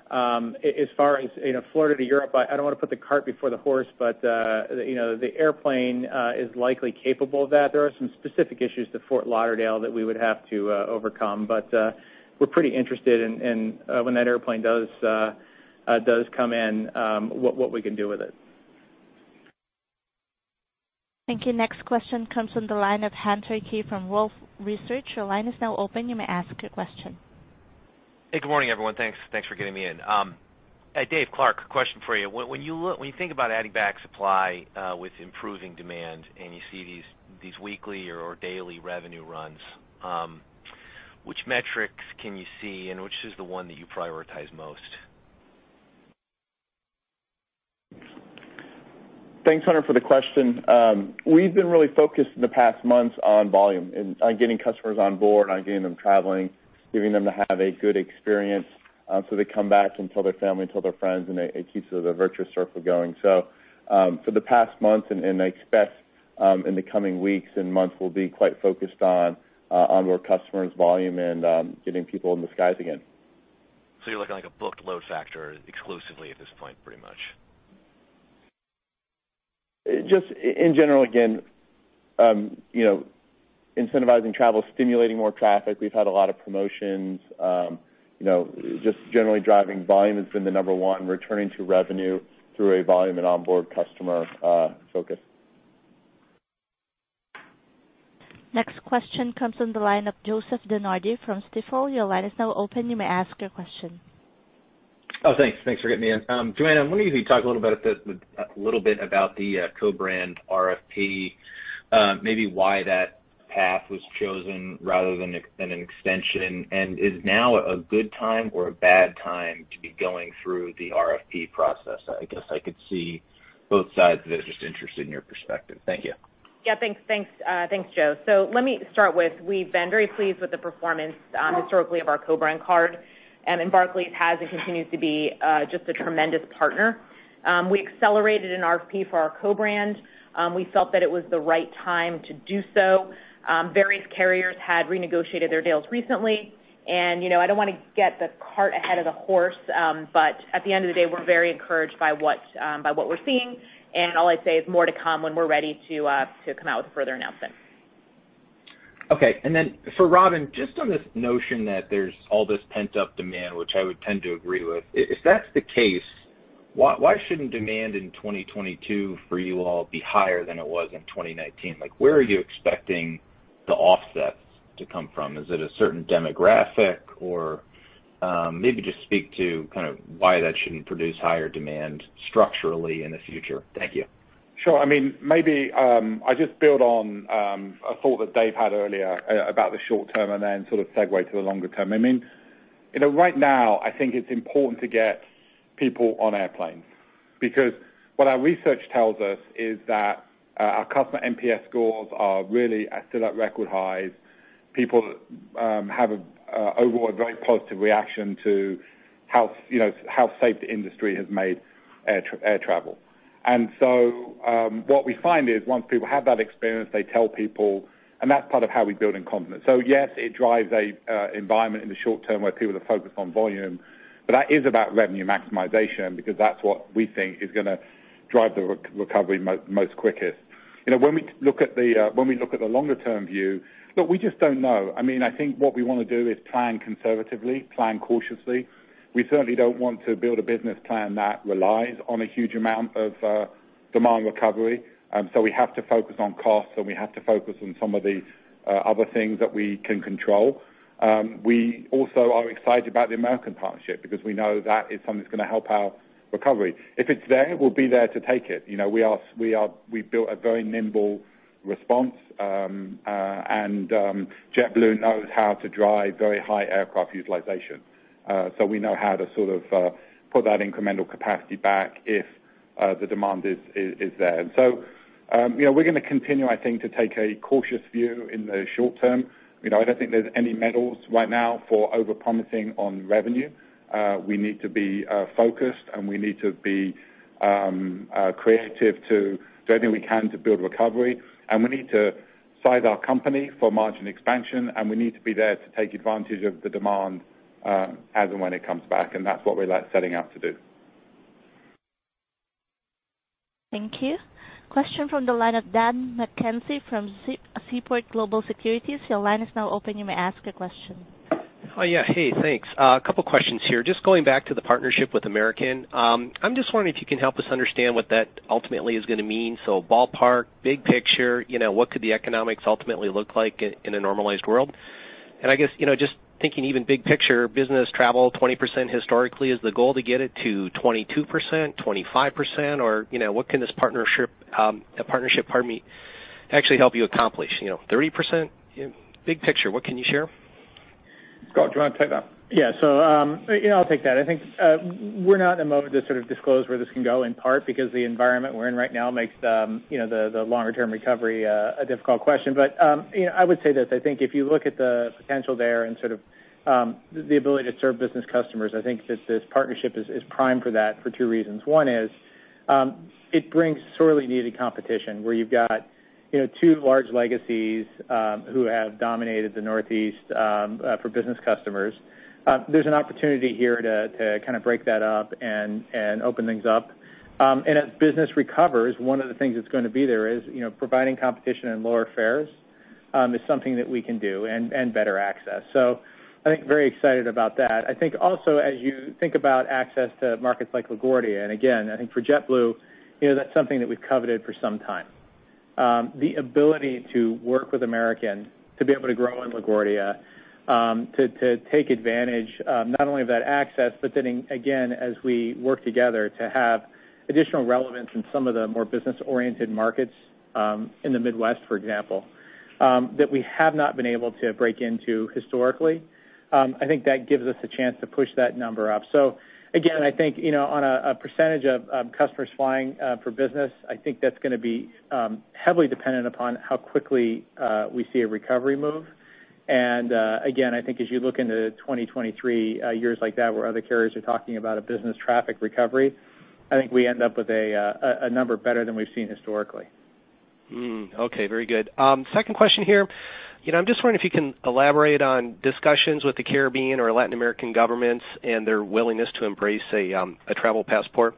As far as Florida to Europe, I don't want to put the cart before the horse, but the airplane is likely capable of that. There are some specific issues to Fort Lauderdale that we would have to overcome, but we're pretty interested when that airplane does come in, what we can do with it. Thank you. Next question comes from the line of Hunter Keay from Wolfe Research. Your line is now open. You may ask your question. Hey, good morning, everyone. Thanks for getting me in. Dave Clark, question for you. When you think about adding back supply with improving demand, and you see these weekly or daily revenue runs, which metrics can you see and which is the one that you prioritize most? Thanks, Hunter, for the question. We've been really focused in the past months on volume and on getting customers on board, on getting them traveling, getting them to have a good experience so they come back and tell their family and tell their friends, and it keeps the virtuous circle going. For the past month, and I expect in the coming weeks and months, we'll be quite focused on onboard customers volume and getting people in the skies again. You're looking like a booked load factor exclusively at this point, pretty much. Just in general, again, incentivizing travel, stimulating more traffic. We've had a lot of promotions. Just generally driving volume has been the number one, returning to revenue through a volume and onboard customer focus. Next question comes from the line of Joseph DeNardi from Stifel. Thanks. Thanks for getting me in. Joanna, I'm wondering if you could talk a little bit about the co-brand RFP, maybe why that path was chosen rather than an extension, is now a good time or a bad time to be going through the RFP process? I guess I could see both sides of it, just interested in your perspective. Thank you. Yeah, thanks. Thanks, Joe. Let me start with, we've been very pleased with the performance historically of our co-brand card, and Barclays has and continues to be just a tremendous partner. We accelerated an RFP for our co-brand. We felt that it was the right time to do so. Various carriers had renegotiated their deals recently, and I don't want to get the cart ahead of the horse, but at the end of the day, we're very encouraged by what we're seeing, and all I'd say is more to come when we're ready to come out with a further announcement. Okay. For Robin, just on this notion that there's all this pent-up demand, which I would tend to agree with, if that's the case, why shouldn't demand in 2022 for you all be higher than it was in 2019? Where are you expecting the offsets to come from? Is it a certain demographic? Maybe just speak to kind of why that shouldn't produce higher demand structurally in the future. Thank you. Sure. Maybe I just build on a thought that Dave had earlier about the short term and then sort of segue to the longer term. Right now, I think it's important to get people on airplanes because what our research tells us is that our customer NPS scores are really still at record highs. People have an overall very positive reaction to how safe the industry has made air travel. What we find is once people have that experience, they tell people, and that's part of how we build in confidence. Yes, it drives a environment in the short term where people are focused on volume, but that is about revenue maximization because that's what we think is going to drive the recovery most quickest. When we look at the longer-term view, look, we just don't know. I think what we want to do is plan conservatively, plan cautiously. We certainly don't want to build a business plan that relies on a huge amount of demand recovery. We have to focus on costs, and we have to focus on some of the other things that we can control. We also are excited about the American partnership because we know that is something that's going to help our recovery. If it's there, we'll be there to take it. We built a very nimble response, and JetBlue knows how to drive very high aircraft utilization. We know how to sort of put that incremental capacity back if The demand is there. We're going to continue, I think, to take a cautious view in the short term. I don't think there are any medals right now for over-promising on revenue. We need to be focused, and we need to be creative to do everything we can to build recovery. We need to size our company for margin expansion, and we need to be there to take advantage of the demand as and when it comes back. That's what we're setting out to do. Thank you. Question from the line of Dan McKenzie from Seaport Global Securities. Your line is now open. You may ask a question. Hi. Yeah. Hey, thanks. A couple of questions here. Just going back to the partnership with American. I am just wondering if you can help us understand what that ultimately is going to mean. Ballpark, big picture, what could the economics ultimately look like in a normalized world? I guess, just thinking even big picture, business travel, 20% historically, is the goal to get it to 22%, 25%? What can this partnership actually help you accomplish? 30%? Big picture, what can you share? Scott, do you want to take that? Yeah. I'll take that. I think we're not in a mode to sort of disclose where this can go, in part because the environment we're in right now makes the longer-term recovery a difficult question. I would say this, I think if you look at the potential there and sort of the ability to serve business customers, I think that this partnership is primed for that for two reasons. One is it brings sorely needed competition where you've got two large legacies who have dominated the Northeast for business customers. There's an opportunity here to kind of break that up and open things up. As business recovers, one of the things that's going to be there is providing competition and lower fares is something that we can do, and better access. I think very excited about that. I think also as you think about access to markets like LaGuardia, I think for JetBlue, that's something that we've coveted for some time. The ability to work with American to be able to grow in LaGuardia, to take advantage not only of that access, as we work together to have additional relevance in some of the more business-oriented markets in the Midwest, for example, that we have not been able to break into historically. I think that gives us a chance to push that number up. I think on a percentage of customers flying for business, I think that's going to be heavily dependent upon how quickly we see a recovery move. Again, I think as you look into 2023, years like that where other carriers are talking about a business traffic recovery, I think we end up with a number better than we've seen historically. Okay. Very good. Second question here. I'm just wondering if you can elaborate on discussions with the Caribbean or Latin American governments and their willingness to embrace a travel passport.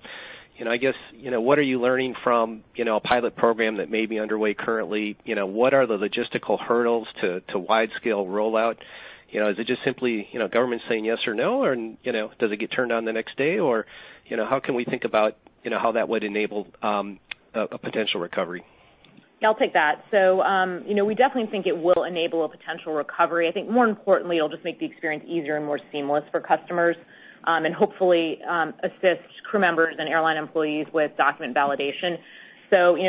I guess, what are you learning from a pilot program that may be underway currently? What are the logistical hurdles to wide-scale rollout? Is it just simply governments saying yes or no? And does it get turned on the next day? Or how can we think about how that would enable a potential recovery? I'll take that. We definitely think it will enable a potential recovery. I think more importantly, it'll just make the experience easier and more seamless for customers, and hopefully assist crew members and airline employees with document validation.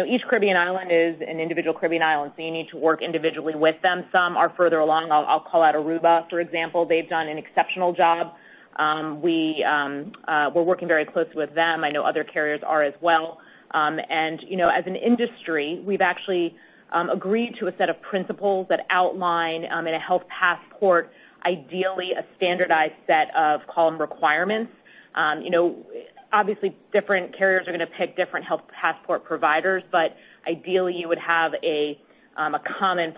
Each Caribbean island is an individual Caribbean island, so you need to work individually with them. Some are further along. I'll call out Aruba, for example. They've done an exceptional job. We're working very closely with them. I know other carriers are as well. As an industry, we've actually agreed to a set of principles that outline a health passport, ideally a standardized set of common requirements. Obviously, different carriers are going to pick different health passport providers, but ideally, you would have a common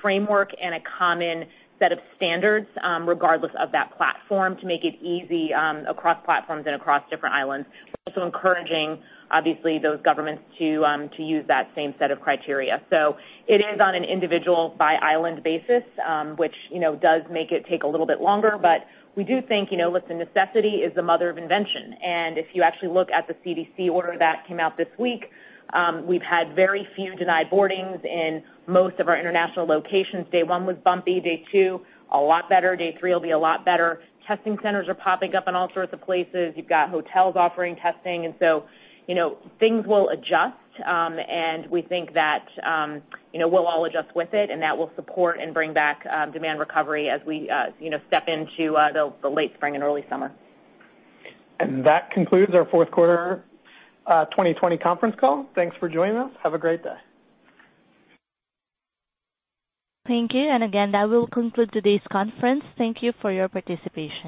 framework and a common set of standards regardless of that platform to make it easy across platforms and across different islands. We're also encouraging, obviously, those governments to use that same set of criteria. It is on an individual by island basis, which does make it take a little bit longer. We do think, look, the necessity is the mother of invention. If you actually look at the CDC order that came out this week, we've had very few denied boardings in most of our international locations. Day one was bumpy. Day two, a lot better. Day three will be a lot better. Testing centers are popping up in all sorts of places. You've got hotels offering testing, things will adjust. We think that we'll all adjust with it, and that will support and bring back demand recovery as we step into the late spring and early summer. That concludes our fourth quarter 2020 conference call. Thanks for joining us. Have a great day. Thank you. Again, that will conclude today's conference. Thank you for your participation.